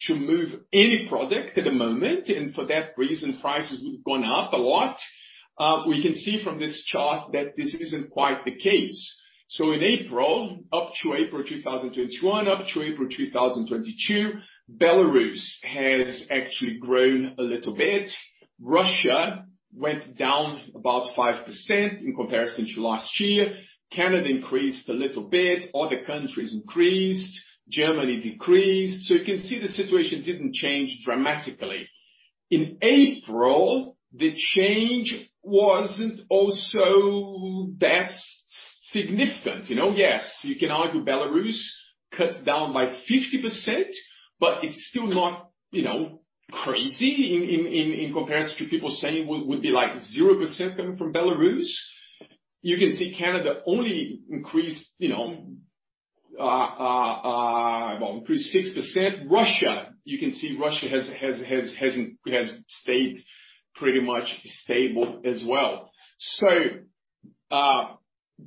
to move any product at the moment, and for that reason, prices would've gone up a lot. We can see from this chart that this isn't quite the case. In April, up to April 2021, up to April 2022, Belarus has actually grown a little bit. Russia went down about 5% in comparison to last year. Canada increased a little bit. Other countries increased. Germany decreased. You can see the situation didn't change dramatically. In April, the change wasn't also that significant, you know. Yes, you can argue Belarus cut down by 50%, but it's still not, you know, crazy in comparison to people saying we'd be like 0% coming from Belarus. You can see Canada only increased, you know, well, increased 6%. Russia has stayed pretty much stable as well.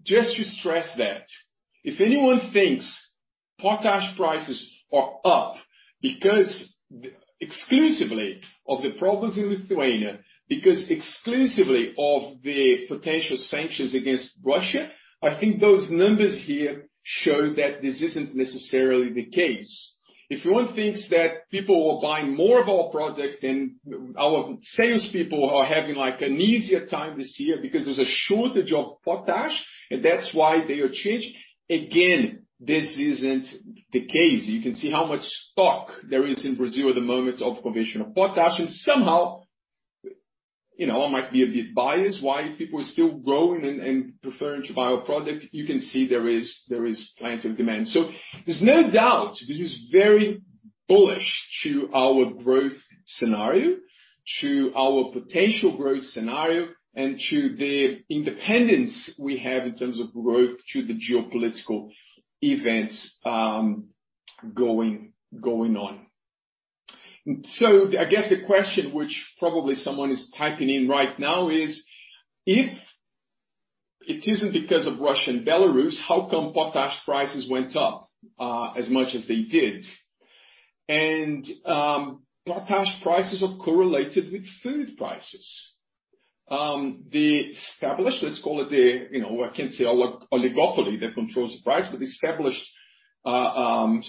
Just to stress that if anyone thinks potash prices are up because exclusively of the problems in Lithuania, because exclusively of the potential sanctions against Russia, I think those numbers here show that this isn't necessarily the case. If one thinks that people are buying more of our product and our salespeople are having, like, an easier time this year because there's a shortage of potash and that's why they are changing, again, this isn't the case. You can see how much stock there is in Brazil at the moment of provision of potash. Somehow, you know, I might be a bit biased why people are still growing and preferring to buy our product. You can see there is plenty of demand. There's no doubt this is very bullish to our growth scenario, to our potential growth scenario, and to the independence we have in terms of growth to the geopolitical events going on. I guess the question which probably someone is typing in right now is, if it isn't because of Russia and Belarus, how come potash prices went up as much as they did? Potash prices are correlated with food prices. The established, let's call it a, you know, I can't say oligopoly that controls the price, but established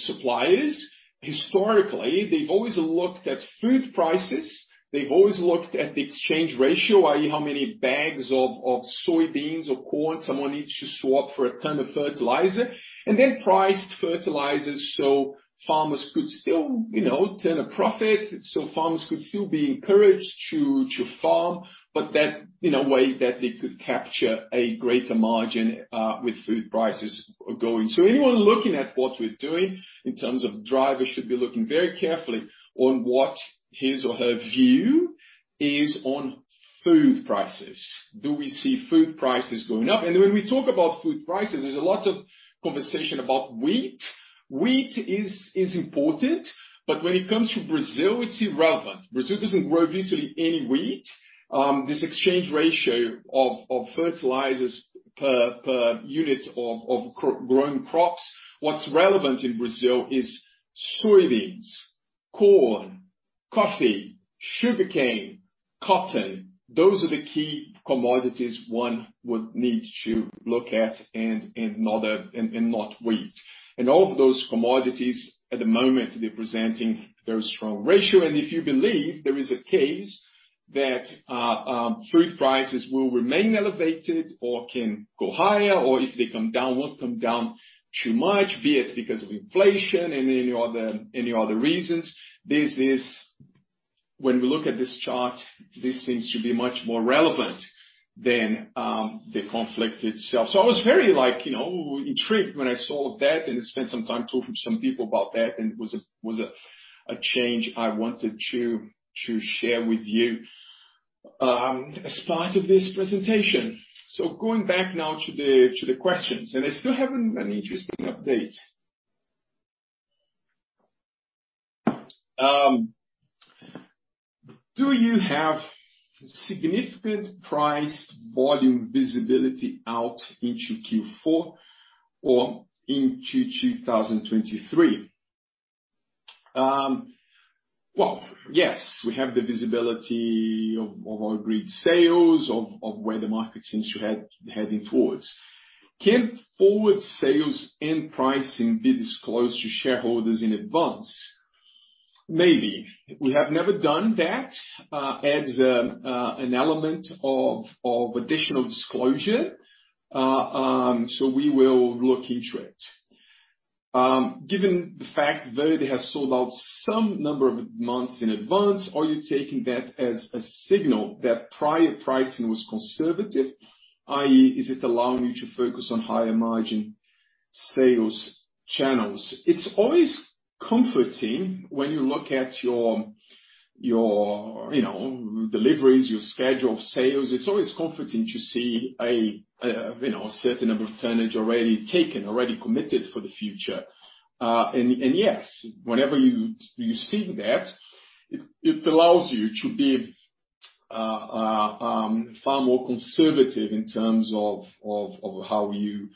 suppliers, historically, they've always looked at food prices. They've always looked at the exchange ratio, i.e., how many bags of soybeans or corn someone needs to swap for a ton of fertilizer, and then priced fertilizers so farmers could still, you know, turn a profit, so farmers could still be encouraged to farm, but that in a way that they could capture a greater margin with food prices going. Anyone looking at what we're doing in terms of drivers should be looking very carefully on what his or her view is on food prices. Do we see food prices going up? When we talk about food prices, there's a lot of conversation about wheat. Wheat is important, but when it comes to Brazil, it's irrelevant. Brazil doesn't grow virtually any wheat. This exchange ratio of fertilizers per unit of grown crops, what's relevant in Brazil is soybeans, corn, coffee, sugarcane, cotton. Those are the key commodities one would need to look at, and not wheat. All of those commodities, at the moment, they're presenting very strong ratio. If you believe there is a case that food prices will remain elevated or can go higher, or if they come down, won't come down too much, be it because of inflation and any other reasons, this is. When we look at this chart, this seems to be much more relevant. The conflict itself. I was very, like, you know, intrigued when I saw that and spent some time talking to some people about that, and it was a change I wanted to share with you as part of this presentation. Going back now to the questions, and I still have an interesting update. Do you have significant price volume visibility out into Q4 or into 2023? Well, yes. We have the visibility of our agreed sales, of where the market seems to heading towards. Can forward sales and pricing be disclosed to shareholders in advance? Maybe. We have never done that, as an element of additional disclosure. We will look into it. Given the fact Verde has sold out some number of months in advance, are you taking that as a signal that prior pricing was conservative? I.e., is it allowing you to focus on higher margin sales channels? It's always comforting when you look at your you know, deliveries, your schedule of sales. It's always comforting to see you know, a certain number of tonnages already taken, already committed for the future. Yes, whenever you see that, it allows you to be far more conservative in terms of how you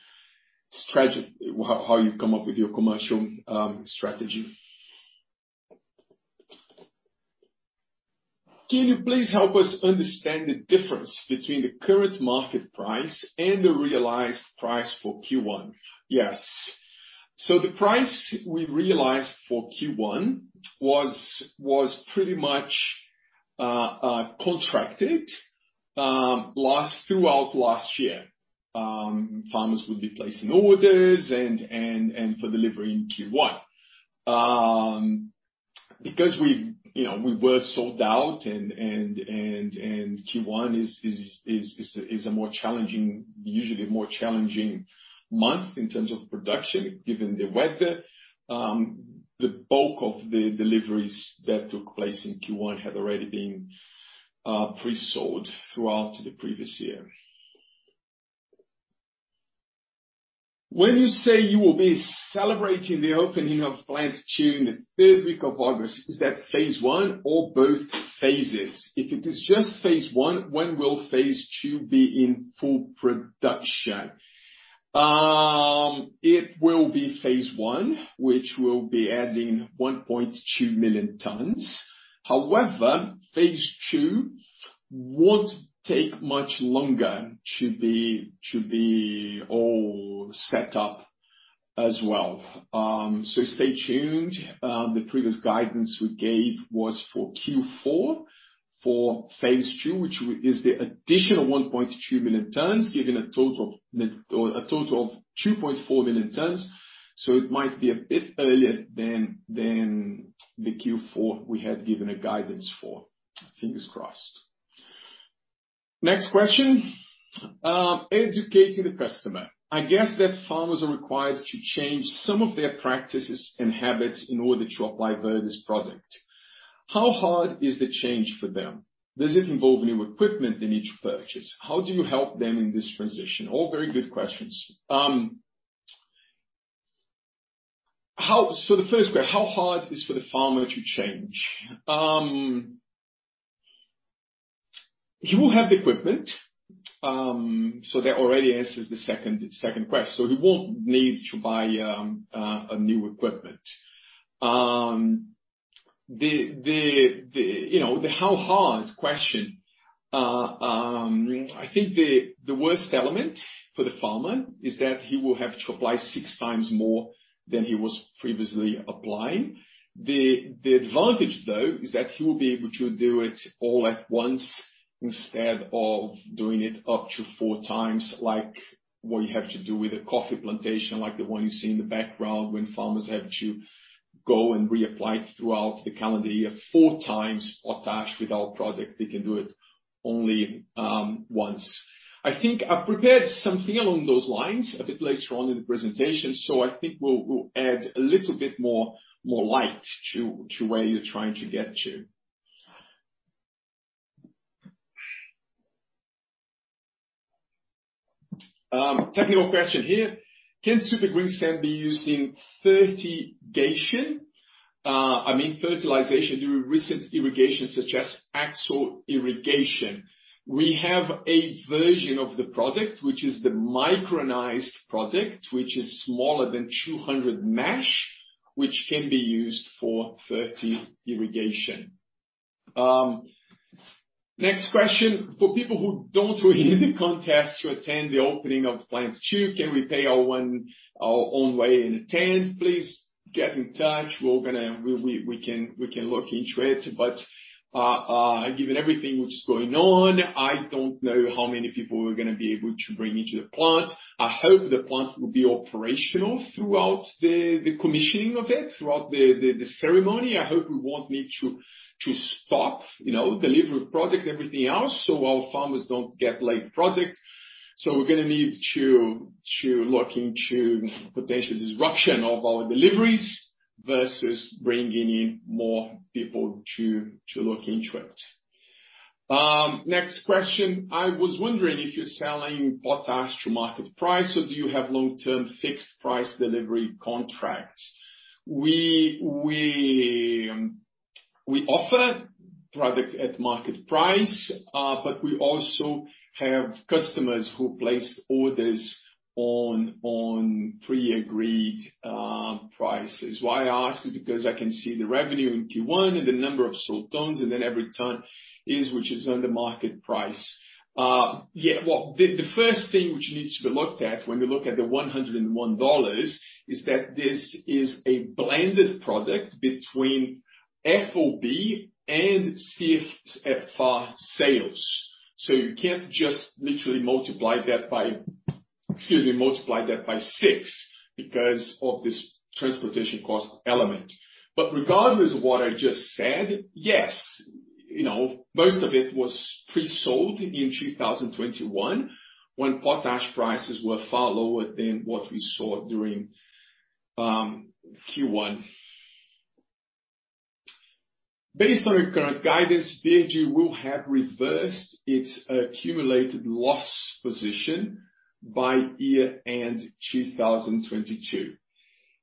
come up with your commercial strategy. Can you please help us understand the difference between the current market price and the realized price for Q1? Yes. The price we realized for Q1 was pretty much contracted throughout last year. Farmers would be placing orders and for delivery in Q1. Because we, you know, we were sold out and Q1 is usually a more challenging month in terms of production, given the weather. The bulk of the deliveries that took place in Q1 had already been pre-sold throughout the previous year. When you say you will be celebrating the opening of plant two in the third week of August, is that phase one or both phases? If it is just phase one, when will phase two be in full production? It will be phase one, which will be adding 1.2 million tons. However, phase two won't take much longer to be all set up as well. Stay tuned. The previous guidance we gave was for Q4, for phase two, which is the additional 1.2 million tons, giving a total of 2.4 million tons, so it might be a bit earlier than the Q4 we had given a guidance for. Fingers crossed. Next question. Educating the customer. I guess that farmers are required to change some of their practices and habits in order to apply Verde's product. How hard is the change for them? Does it involve new equipment they need to purchase? How do you help them in this transition? All very good questions. How hard is for the farmer to change? He will have the equipment, so that already answers the second question. He won't need to buy a new equipment. You know, the how hard question, I think the worst element for the farmer is that he will have to apply six times more than he was previously applying. The advantage, though, is that he will be able to do it all at once instead of doing it up to four times like what you have to do with a coffee plantation, like the one you see in the background, when farmers have to go and reapply throughout the calendar year four times. With our product, they can do it only once. I think I've prepared something along those lines a bit later on in the presentation, so I think we'll add a little bit more light to where you're trying to get to. Technical question here. Can Super Greensand be used in fertigation? I mean, fertilization during recent irrigation, such as axial irrigation. We have a version of the product, which is the micronized product, which is smaller than 200 mesh, which can be used for fertigation. Next question. For people who don't win the contest to attend the opening of plants two, can we pay our own way and attend? Please get in touch. We can look into it, but given everything which is going on, I don't know how many people we're going to be able to bring into the plant. I hope the plant will be operational throughout the commissioning of it, throughout the ceremony. I hope we won't need to stop, you know, delivery of product, everything else, so our farmers don't get late product. We're going to need to look into potential disruption of our deliveries versus bringing in more people to look into it. Next question. I was wondering if you're selling potash to market price, or do you have long-term fixed price delivery contracts? We offer product at market price, but we also have customers who place orders on pre-agreed prices. Why I ask is because I can see the revenue in Q1 and the number of sold tons, and then every ton, which is on the market price. Well, the first thing which needs to be looked at when you look at the $101 is that this is a blended product between FOB and CIF at FAS sales. So, you can't just literally multiply that by 6 because of this transportation cost element. Regardless of what I just said, yes, you know, most of it was pre-sold in 2021 when potash prices were far lower than what we saw during Q1. Based on your current guidance, VHG will have reversed its accumulated loss position by year-end 2022.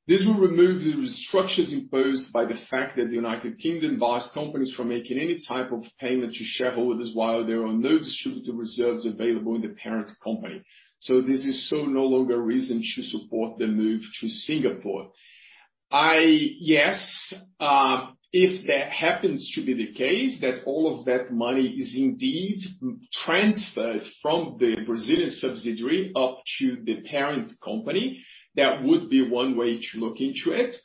This will remove the restrictions imposed by the fact that the United Kingdom bars companies from making any type of payment to shareholders while there are no distributive reserves available in the parent company. This is no longer a reason to support the move to Singapore. Yes, if that happens to be the case, that all of that money is indeed transferred from the Brazilian subsidiary up to the parent company, that would be one way to look into it.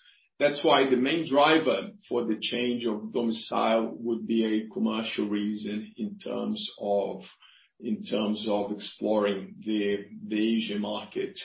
That's why the main driver for the change of domicile would be a commercial reason in terms of exploring the Asia market.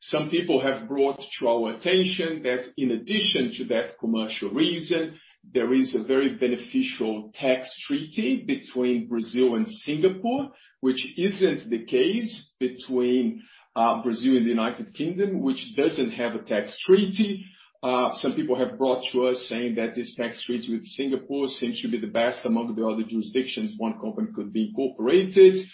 Some people have brought to our attention that in addition to that commercial reason, there is a very beneficial tax treaty between Brazil and Singapore, which isn't the case between Brazil and the United Kingdom, which doesn't have a tax treaty. Some people have brought to us saying that this tax treaty with Singapore seems to be the best among the other jurisdictions one company could be incorporated.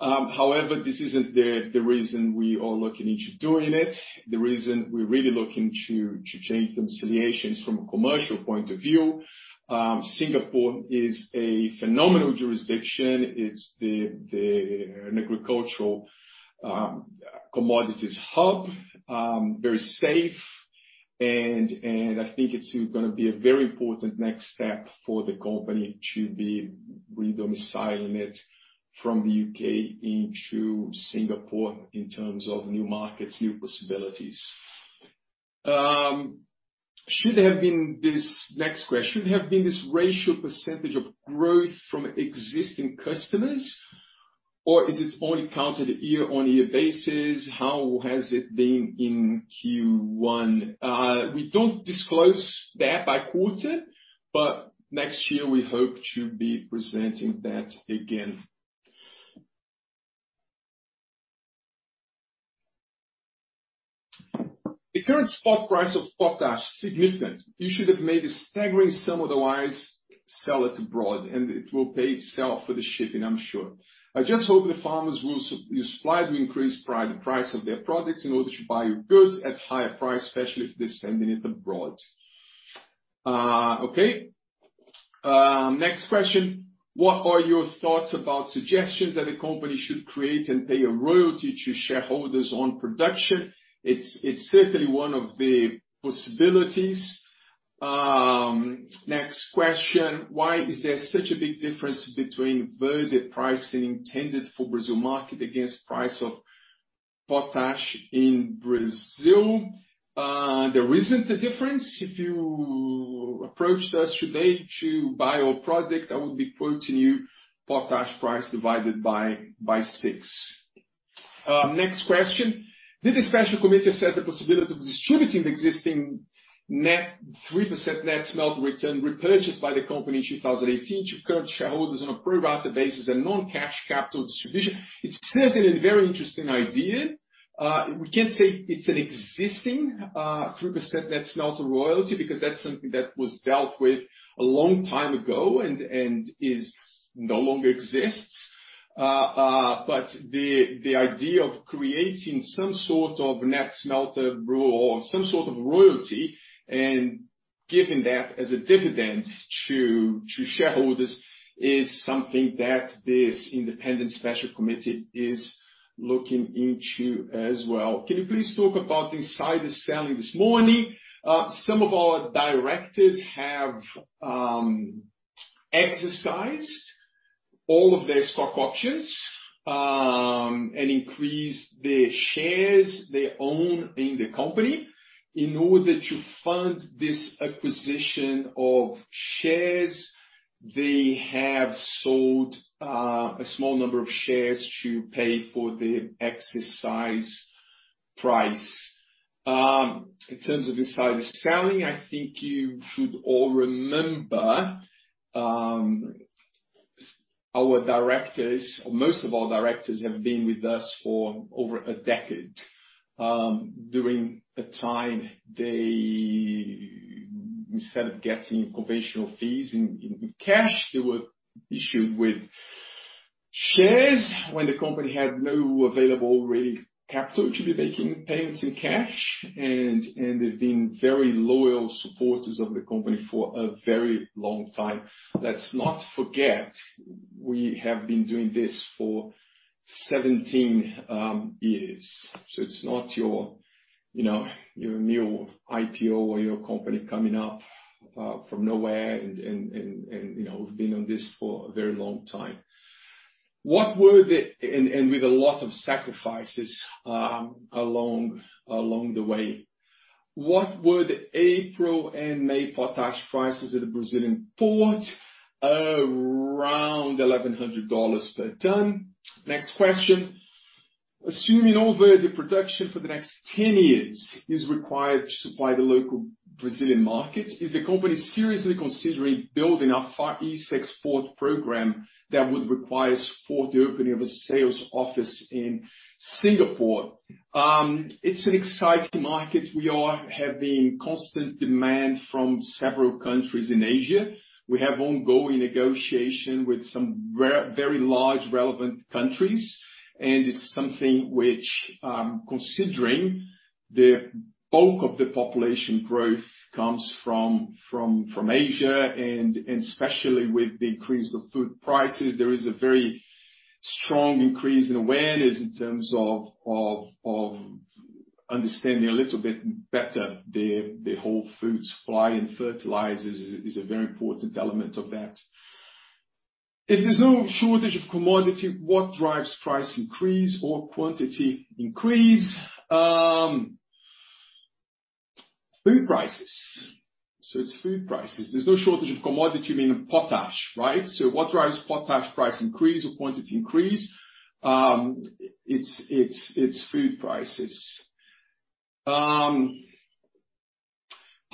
However, this isn't the reason we are looking into doing it. The reason we're really looking to change domiciliation is from a commercial point of view. Singapore is a phenomenal jurisdiction. It's an agricultural commodities hub, very safe and I think it's gonna be a very important next step for the company to be re-domiciling it from the U.K. into Singapore in terms of new markets, new possibilities. Next question. Should there have been this ratio percentage of growth from existing customers, or is it only counted year-on-year basis? How has it been in Q1? We don't disclose that by quarter, but next year we hope to be presenting that again. The current spot price of potash is significant. You should have made a staggering sum, otherwise sell it abroad and it will pay itself for the shipping, I'm sure. I just hope the farmers will supply the increased price of their products in order to buy your goods at higher price, especially if they're sending it abroad. Okay. Next question. What are your thoughts about suggestions that a company should create and pay a royalty to shareholders on production? It's certainly one of the possibilities. Next question. Why is there such a big difference between budgeted pricing intended for Brazil market against price of potash in Brazil? There isn't a difference. If you approached us today to buy our product, I would be quoting you potash price divided by 6. Next question. Did the special committee assess the possibility of distributing the existing net 3% net smelter royalty repurchased by the company in 2018 to current shareholders on a pro rata basis and non-cash capital distribution? It's certainly a very interesting idea. We can't say it's an existing 3% net smelter royalty because that's something that was dealt with a long time ago and is no longer exists. The idea of creating some sort of net smelter royalty or some sort of royalty and giving that as a dividend to shareholders is something that this independent special committee is looking into as well. Can you please talk about insider selling this morning? Some of our directors have exercised all of their stock options and increased the shares they own in the company. In order to fund this acquisition of shares, they have sold a small number of shares to pay for the exercise price. In terms of insiders selling, I think you should all remember, our directors, most of our directors have been with us for over a decade. During the time, instead of getting conventional fees in cash, they were issued with shares when the company had no available real capital to be making payments in cash, and they've been very loyal supporters of the company for a very long time. Let's not forget, we have been doing this for 17 years. It's not, you know, your new IPO or your company coming up from nowhere, you know, we've been on this for a very long time with a lot of sacrifices along the way. What were the April and May potash prices at a Brazilian port? Around $1,100 per ton. Next question. Assuming all Verde production for the next 10 years is required to supply the local Brazilian market, is the company seriously considering building a Far East export program that would require supporting the opening of a sales office in Singapore? It's an exciting market. We are having constant demand from several countries in Asia. We have ongoing negotiation with some very large relevant countries, and it's something which, considering the bulk of the population growth comes from Asia and especially with the increase of food prices, there is a very strong increase in awareness in terms of understanding a little bit better the whole food supply and fertilizers is a very important element of that. If there's no shortage of commodity, what drives price increase or quantity increase? Food prices. It's food prices. There's no shortage of commodity, you mean potash, right? So, what drives potash price increase or quantity increase? It's food prices. How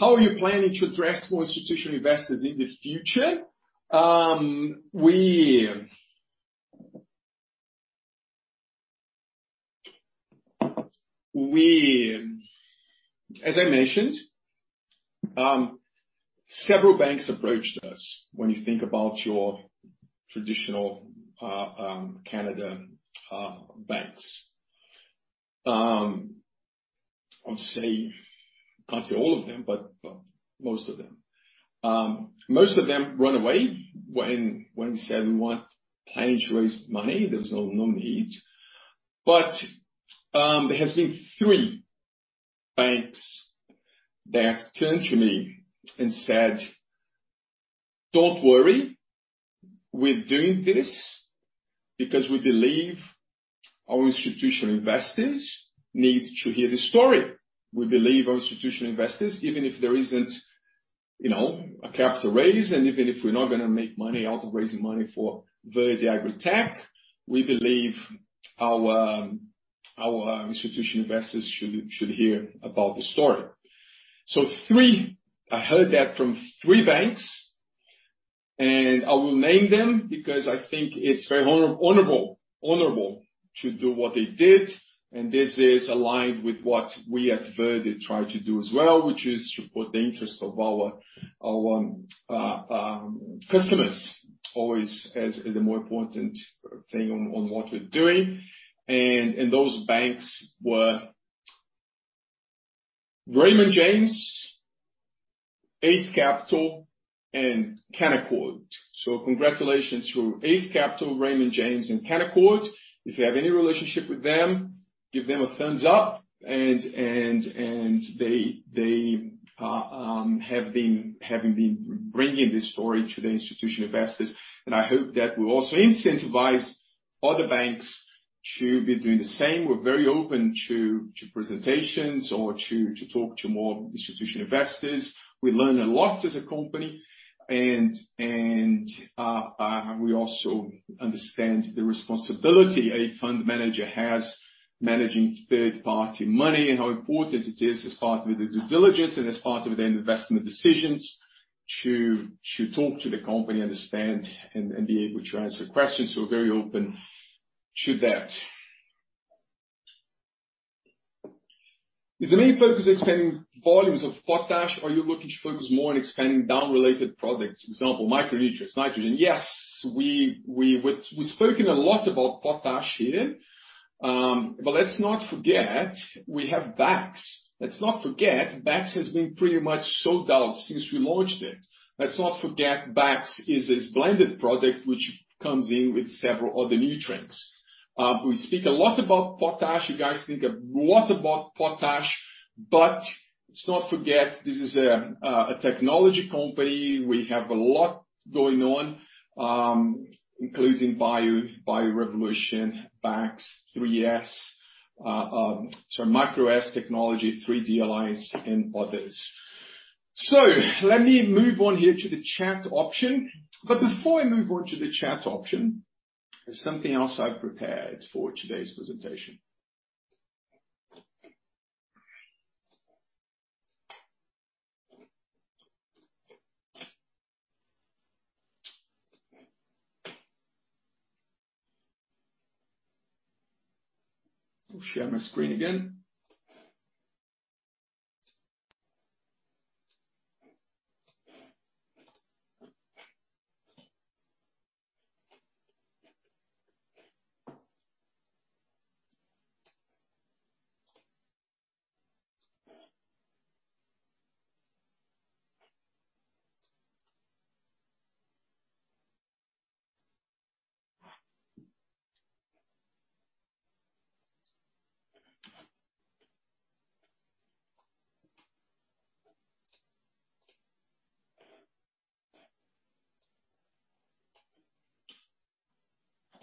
are you planning to address more institutional investors in the future? As I mentioned, several banks approached us when you think about your traditional Canadian banks. I would say, can't say all of them, but most of them. Most of them run away when we said we were planning to raise money; there was no need. There has been three banks that turned to me and said, "Don't worry, we're doing this because we believe our institutional investors need to hear this story. We believe our institutional investors, even if there isn't, you know, a capital raise, and even if we're not gonna make money out of raising money for Verde AgriTech, we believe our institutional investors should hear about the story. I heard that from three banks, and I will name them because I think it's very honorable to do what they did, and this is aligned with what we at Verde try to do as well, which is to put the interest of our customers always as a more important thing on what we're doing. Those banks were Raymond James, Eight Capital, and Canaccord. Congratulations to Eight Capital, Raymond James and Canaccord. If you have any relationship with them, give them a thumbs up. They have been bringing this story to the institutional investors, and I hope that will also incentivize other banks to be doing the same. We're very open to presentations or to talk to more institutional investors. We learn a lot as a company, we also understand the responsibility a fund manager has managing third-party money and how important it is as part of the due diligence and as part of their investment decisions to talk to the company, understand and be able to answer questions. We're very open to that. Is the main focus expanding volumes of potash, or are you looking to focus more on expanding downstream-related products, for example, micronutrients, nitrogen? Yes, we've spoken a lot about potash here, but let's not forget we have BAKS. Let's not forget BAKS has been pretty much sold out since we launched it. Let's not forget BAKS is this blended product which comes in with several other nutrients. We speak a lot about potash. You guys think a lot about potash. Let's not forget this is a technology company. We have a lot going on, including Bio Revolution, BAKS, MicroS Technology, 3D Alliance, and others. Let me move on here to the chat option. Before I move on to the chat option, there's something else I've prepared for today's presentation. I'll share my screen again.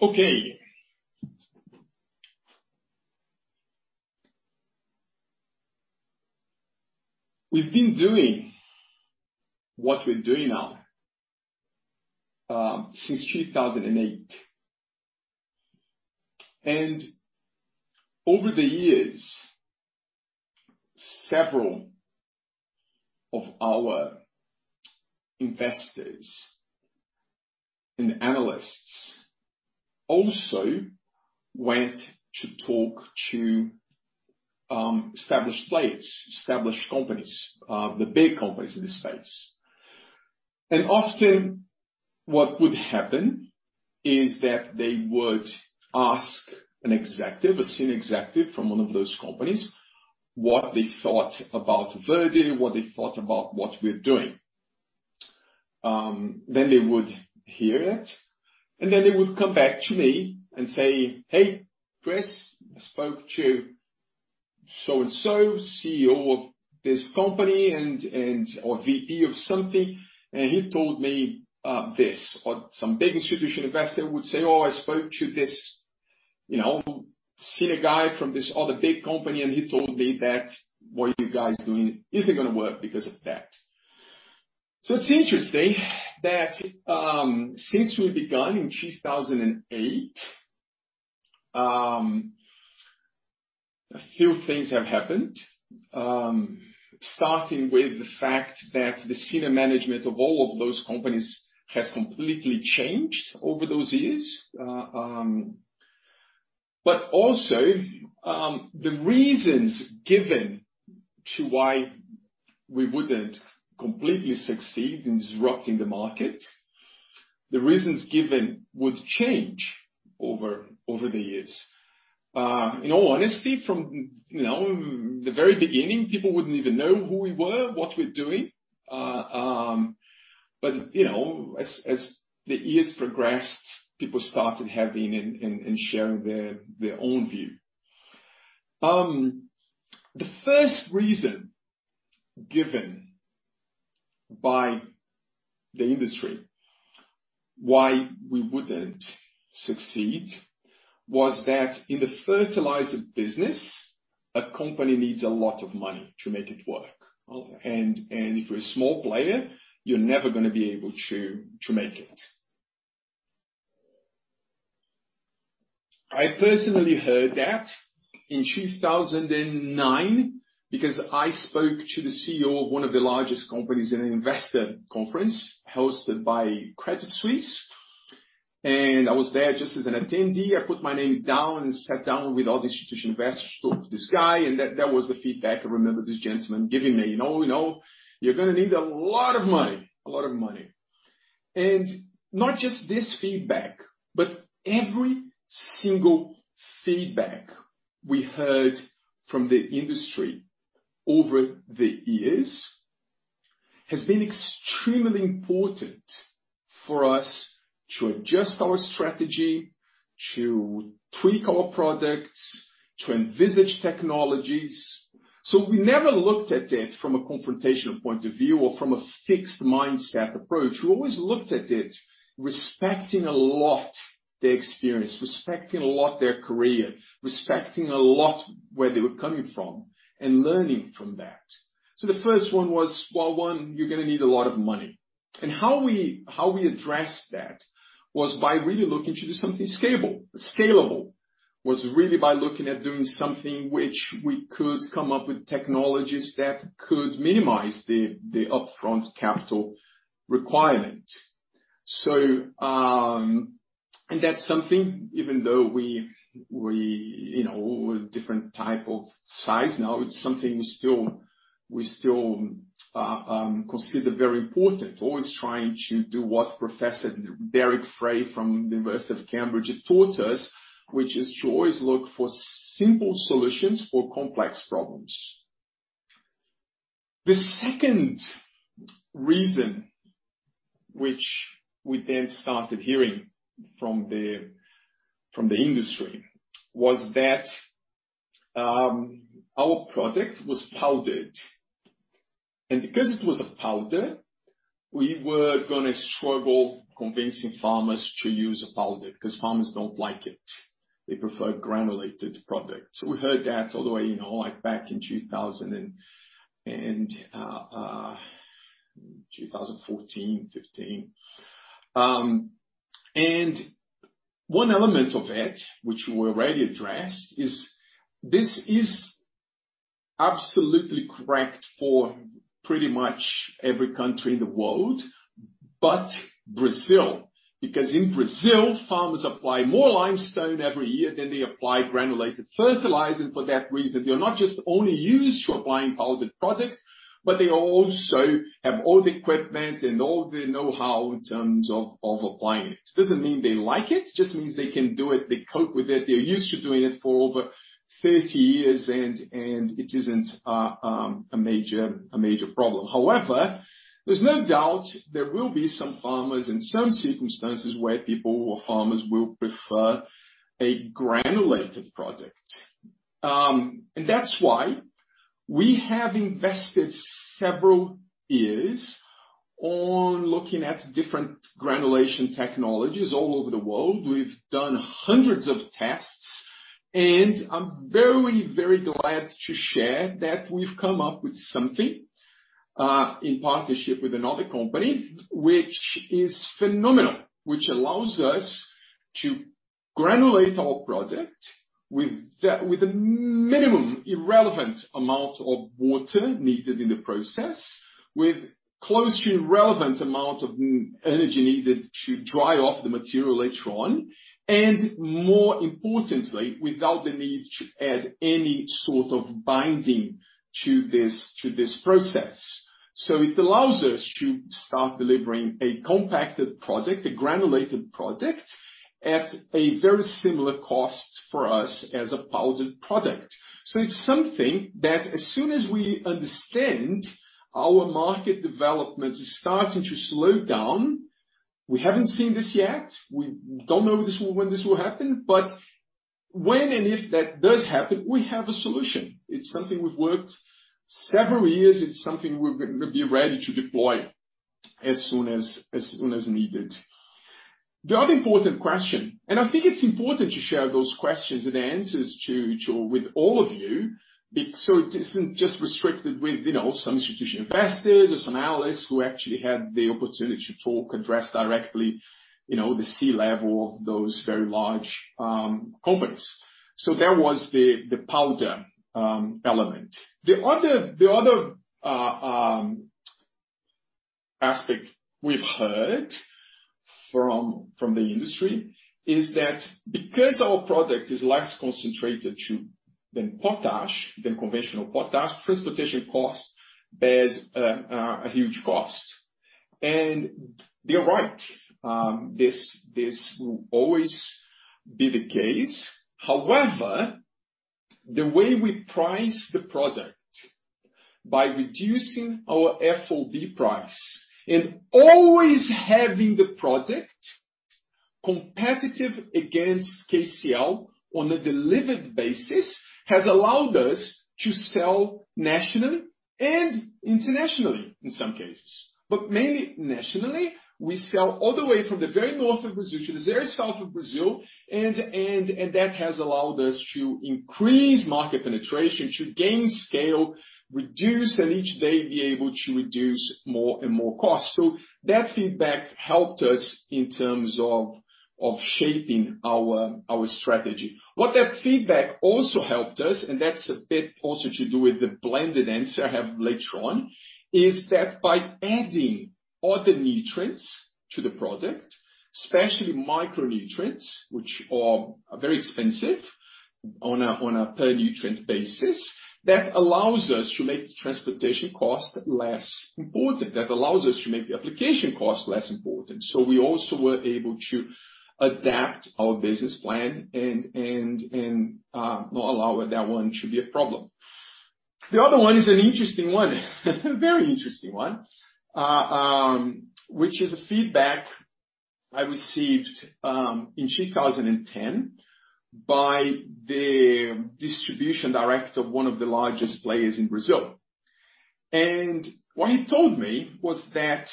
Okay. We've been doing what we're doing now since 2008. Over the years, several of our investors and analysts also went to talk to established players, established companies, the big companies in this space. Often, what would happen is that they would ask an executive, a senior executive from one of those companies, what they thought about Verde, what they thought about what we're doing. Then they would hear it, and then they would come back to me and say, "Hey, Chris, I spoke to so and so, CEO of this company and or VP of something, and he told me this." Or some big institutional investor would say, "Oh, I spoke to this, you know, senior guy from this other big company, and he told me that what you guys doing isn't gonna work because of that." It's interesting that, since we began in 2008, a few things have happened, starting with the fact that the senior management of all of those companies has completely changed over those years. The reasons given to why we wouldn't completely succeed in disrupting the market would change over the years. In all honesty, you know, from the very beginning, people wouldn't even know who we were, what we're doing, but you know, as the years progressed, people started having and sharing their own view. The first reason given by the industry why we wouldn't succeed was that in the fertilizer business, a company needs a lot of money to make it work. If you're a small player, you're never gonna be able to make it. I personally heard that in 2009 because I spoke to the CEO of one of the largest companies in an investor conference hosted by Credit Suisse. I was there just as an attendee. I put my name down and sat down with all the institutional investors, spoke to this guy, and that was the feedback I remember this gentleman giving me. "You know, you're gonna need a lot of money. A lot of money." Not just this feedback, but every single feedback we heard from the industry over the years has been extremely important for us to adjust our strategy, to tweak our products, to envisage technologies. We never looked at it from a confrontational point of view or from a fixed mindset approach. We always looked at it respecting a lot their experience, respecting a lot their career, respecting a lot where they were coming from, and learning from that. The first one was, well, one, you're gonna need a lot of money. How we addressed that was by really looking to do something scalable. Scalable was really by looking at doing something which we could come up with technologies that could minimize the upfront capital requirement. And that's something, even though we you know a different type of size now, it's something we still consider very important, always trying to do what Professor Derek Fray from the University of Cambridge taught us, which is to always look for simple solutions for complex problems. The second reason which we then started hearing from the industry was that our product was powdered. Because it was a powder, we were gonna struggle convincing farmers to use a powder, because farmers don't like it. They prefer granulated product. We heard that all the way, you know, like back in 2014, 2015. One element of it, which we already addressed, is this is absolutely correct for pretty much every country in the world but Brazil, because in Brazil, farmers apply more limestone every year than they apply granulated fertilizer. For that reason, they're not just only used to applying powdered products, but they also have all the equipment and all the know-how in terms of applying it. Doesn't mean they like it; just means they can do it. They cope with it. They're used to doing it for over 30 years and it isn't a major problem. However, there's no doubt there will be some farmers in some circumstances where people or farmers will prefer a granulated product. That's why we have invested several years on looking at different granulation technologies all over the world. We've done hundreds of tests, and I'm very, very glad to share that we've come up with something in partnership with another company, which is phenomenal, which allows us to granulate our product with a minimum irrelevant amount of water needed in the process, with close to irrelevant amount of energy needed to dry off the material later on, and more importantly, without the need to add any sort of binding to this process. It allows us to start delivering a compacted product, a granulated product, at a very similar cost for us as a powdered product. It's something that as soon as we understand our market development is starting to slow down, we haven't seen this yet, we don't know this will. When this will happen, but when and if that does happen, we have a solution. It's something we've worked several years. It's something we're gonna be ready to deploy as soon as needed. The other important question, and I think it's important to share those questions and answers to with all of you, so it isn't just restricted with, you know, some institutional investors or some analysts who actually had the opportunity to talk, address directly, you know, the C-level of those very large companies. So, that was the powder element. The other aspect we've heard from the industry is that because our product is less concentrated to the potash than conventional potash, transportation costs bear a huge cost. They're right. This will always be the case. However, the way we price the product, by reducing our FOB price and always having the product competitive against KCl on a delivered basis, has allowed us to sell nationally and internationally in some cases, but mainly nationally. We sell all the way from the very north of Brazil to the very south of Brazil and that has allowed us to increase market penetration, to gain scale, reduce, and each day be able to reduce more and more costs. That feedback helped us in terms of shaping our strategy. What that feedback also helped us, and that's a bit also to do with the blended answer I have later on, is that by adding other nutrients to the product, especially micronutrients, which are very expensive on a per nutrient basis, that allows us to make transportation costs less important, that allows us to make the application costs less important. We also were able to adapt our business plan and not allow that one to be a problem. The other one is an interesting one, a very interesting one, which is a feedback I received in 2010 by the distribution director of one of the largest players in Brazil. What he told me was that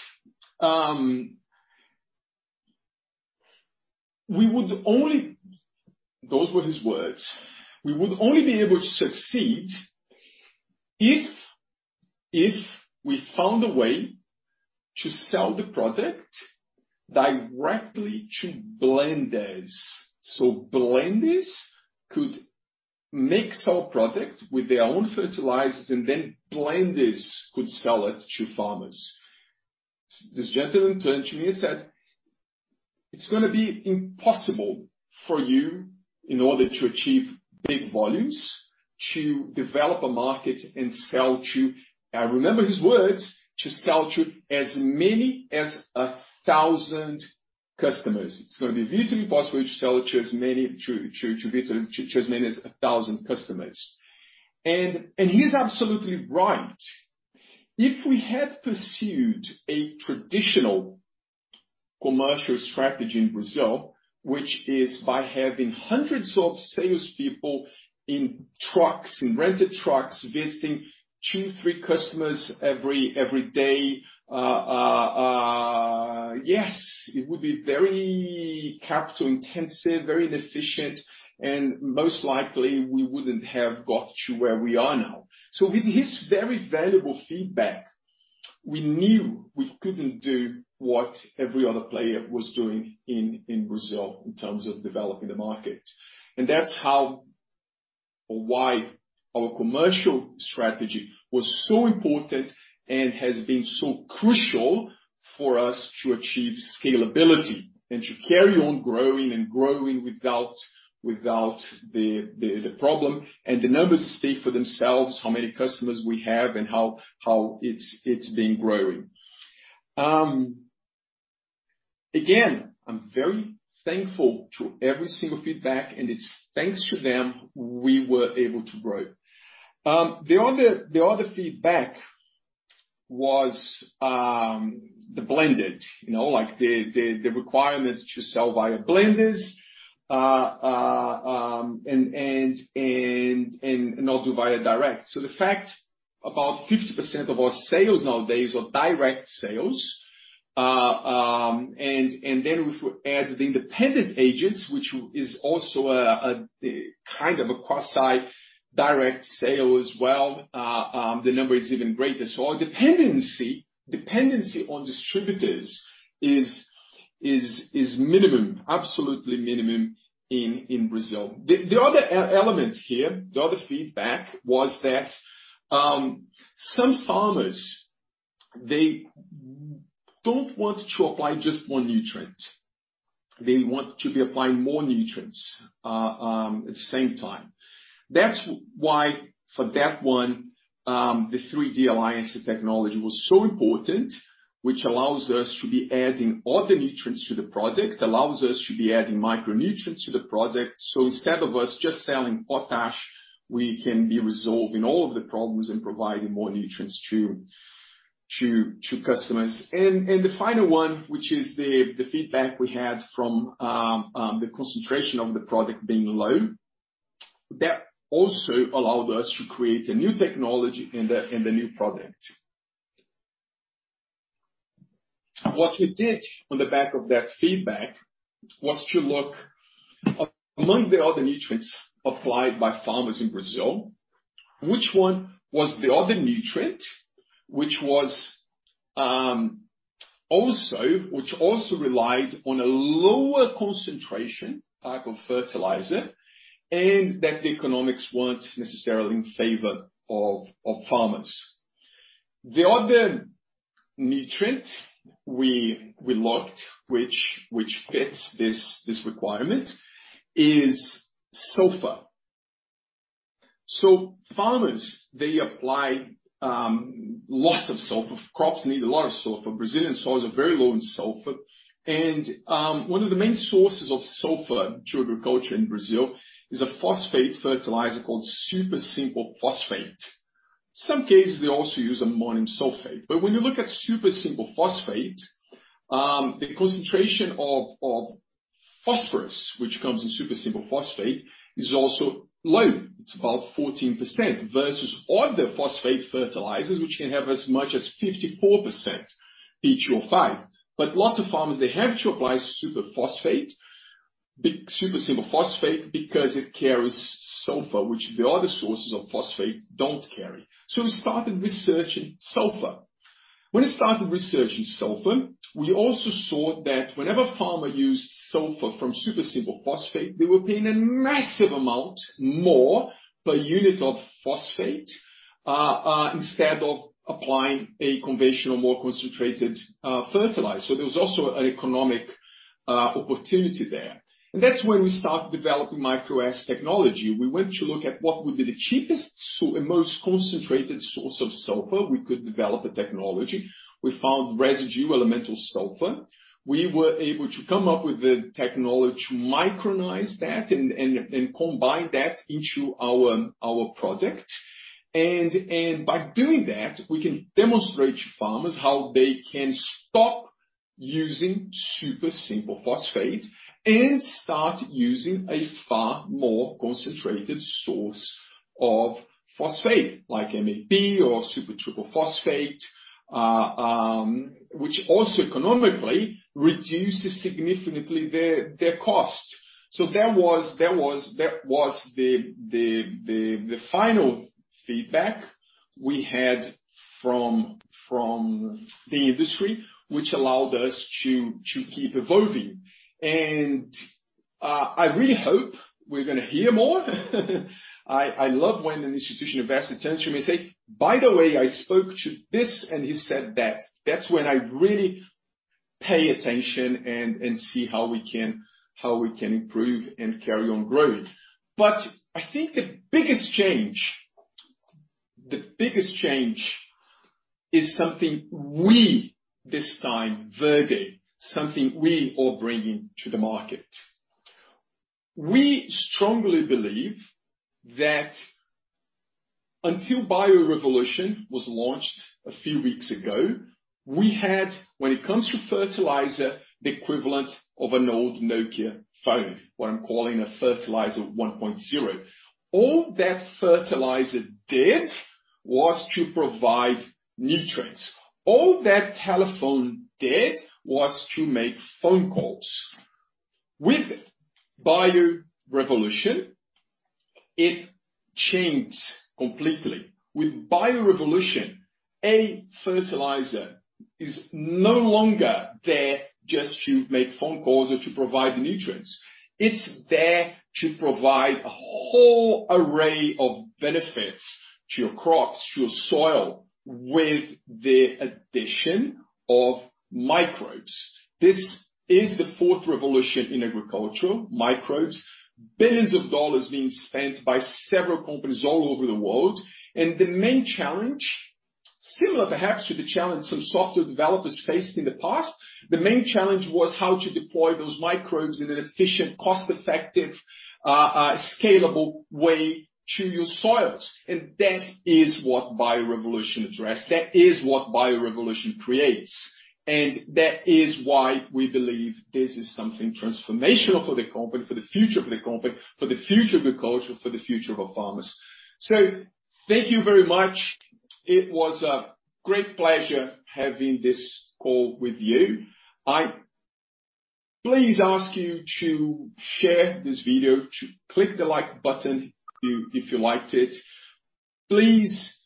we would only. Those were his words. We would only be able to succeed if we found a way to sell the product directly to blenders. Blenders could mix our product with their own fertilizers, and then blenders could sell it to farmers. This gentleman turned to me and said, "It's gonna be impossible for you, in order to achieve big volumes, to develop a market and sell to." I remember his words, "To sell to as many as 1,000 customers. It's gonna be really impossible to sell to as many as 1,000 customers." He's absolutely right. If we had pursued a traditional commercial strategy in Brazil, which is by having hundreds of salespeople in trucks, in rented trucks, visiting two, three customers every day, it would be very capital intensive, very inefficient, and most likely we wouldn't have got to where we are now. With his very valuable feedback, we knew we couldn't do what every other player was doing in Brazil in terms of developing the market. That's how or why our commercial strategy was so important and has been so crucial for us to achieve scalability and to carry on growing and growing without the problem. The numbers speak for themselves, how many customers we have and how it's been growing. Again, I'm very thankful to every single feedback, and it's thanks to them we were able to grow. The other feedback was, you know, like the requirement to sell via blenders and not do via direct. The fact about 50% of our sales nowadays are direct sales, and then if we add the independent agents, which is also a kind of a cross-site direct sale as well, the number is even greater. Our dependency on distributors is minimum, absolutely minimum in Brazil. The other element here, the other feedback was that some farmers they don't want to apply just one nutrient. They want to be applying more nutrients at the same time. That's why for that one, the 3D Alliance technology was so important, which allows us to be adding other nutrients to the product, allows us to be adding micronutrients to the product. Instead of us just selling potash, we can be resolving all of the problems and providing more nutrients to customers. The final one, which is the feedback we had from the concentration of the product being low, that also allowed us to create a new technology and a new product. What we did on the back of that feedback was to look among the other nutrients applied by farmers in Brazil, which one was the other nutrient, which also relied on a lower concentration type of fertilizer, and that the economics weren't necessarily in favor of farmers. The other nutrient we looked, which fits this requirement is sulfur. Farmers apply lots of sulfur. Crops need a lot of sulfur. Brazilian soils are very low in sulfur. One of the main sources of sulfur to agriculture in Brazil is a phosphate fertilizer called single superphosphate. In some cases, they also use ammonium sulfate. When you look at single superphosphate, the concentration of phosphorus, which comes in single superphosphate, is also low. It's about 14% versus other phosphate fertilizers, which can have as much as 54% P2O5. Lots of farmers have to apply single superphosphate because it carries sulfur, which the other sources of phosphate don't carry. We started researching sulfur. When we started researching sulfur, we also saw that whenever farmers used sulfur from single superphosphate, they were paying a massive amount more per unit of phosphate, instead of applying a conventional, more concentrated, fertilizer. There was also an economic opportunity there. That's when we started developing MicroS Technology. We went to look at what would be the cheapest source and most concentrated source of sulfur we could develop a technology for. We found residual elemental sulfur. We were able to come up with the technology to micronize that and combine that into our product. By doing that, we can demonstrate to farmers how they can stop using single superphosphate and start using a far more concentrated source of phosphate, like MAP or triple superphosphate, which also economically reduces significantly their cost. That was the final feedback we had from the industry, which allowed us to keep evolving. I really hope we're gonna hear more. I love when an institutional investor turns to me and say, "By the way, I spoke to this, and he said that." That's when I really pay attention and see how we can improve and carry on growing. I think the biggest change is something we, this time, Verde, something we are bringing to the market. We strongly believe that until Bio Revolution was launched a few weeks ago, we had, when it comes to fertilizer, the equivalent of an old Nokia phone. What I'm calling a Fertilizer 1.0. All that fertilizer did was to provide nutrients. All that telephone did was to make phone calls. With Bio Revolution, it changed completely. With Bio Revolution, a fertilizer is no longer there just to make phone calls or to provide the nutrients. It's there to provide a whole array of benefits to your crops, to your soil, with the addition of microbes. This is the fourth revolution in agricultural, microbes. $Billions being spent by several companies all over the world, and the main challenge, similar perhaps to the challenge some software developers faced in the past, the main challenge was how to deploy those microbes in an efficient, cost-effective, scalable way to your soils. That is what Bio Revolution addressed. That is what Bio Revolution creates. That is why we believe this is something transformational for the company, for the future of the company, for the future of agriculture, for the future of our farmers. Thank you very much. It was a great pleasure having this call with you. I please ask you to share this video, to click the like button if you liked it. Please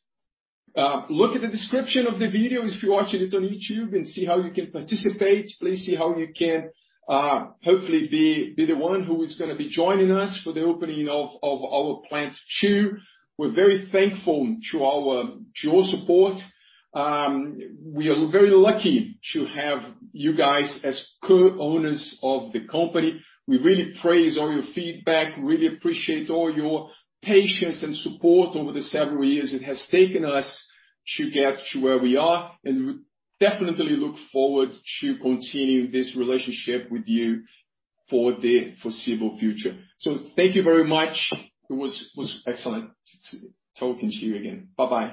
look at the description of the video, if you're watching it on YouTube, and see how you can participate. Please see how you can hopefully be the one who is gonna be joining us for the opening of our plant two. We're very thankful to your support. We are very lucky to have you guys as co-owners of the company. We really praise all your feedback, really appreciate all your patience and support over the several years it has taken us to get to where we are, and we definitely look forward to continue this relationship with you for the foreseeable future. Thank you very much. It was excellent to. talking to you again. Bye bye.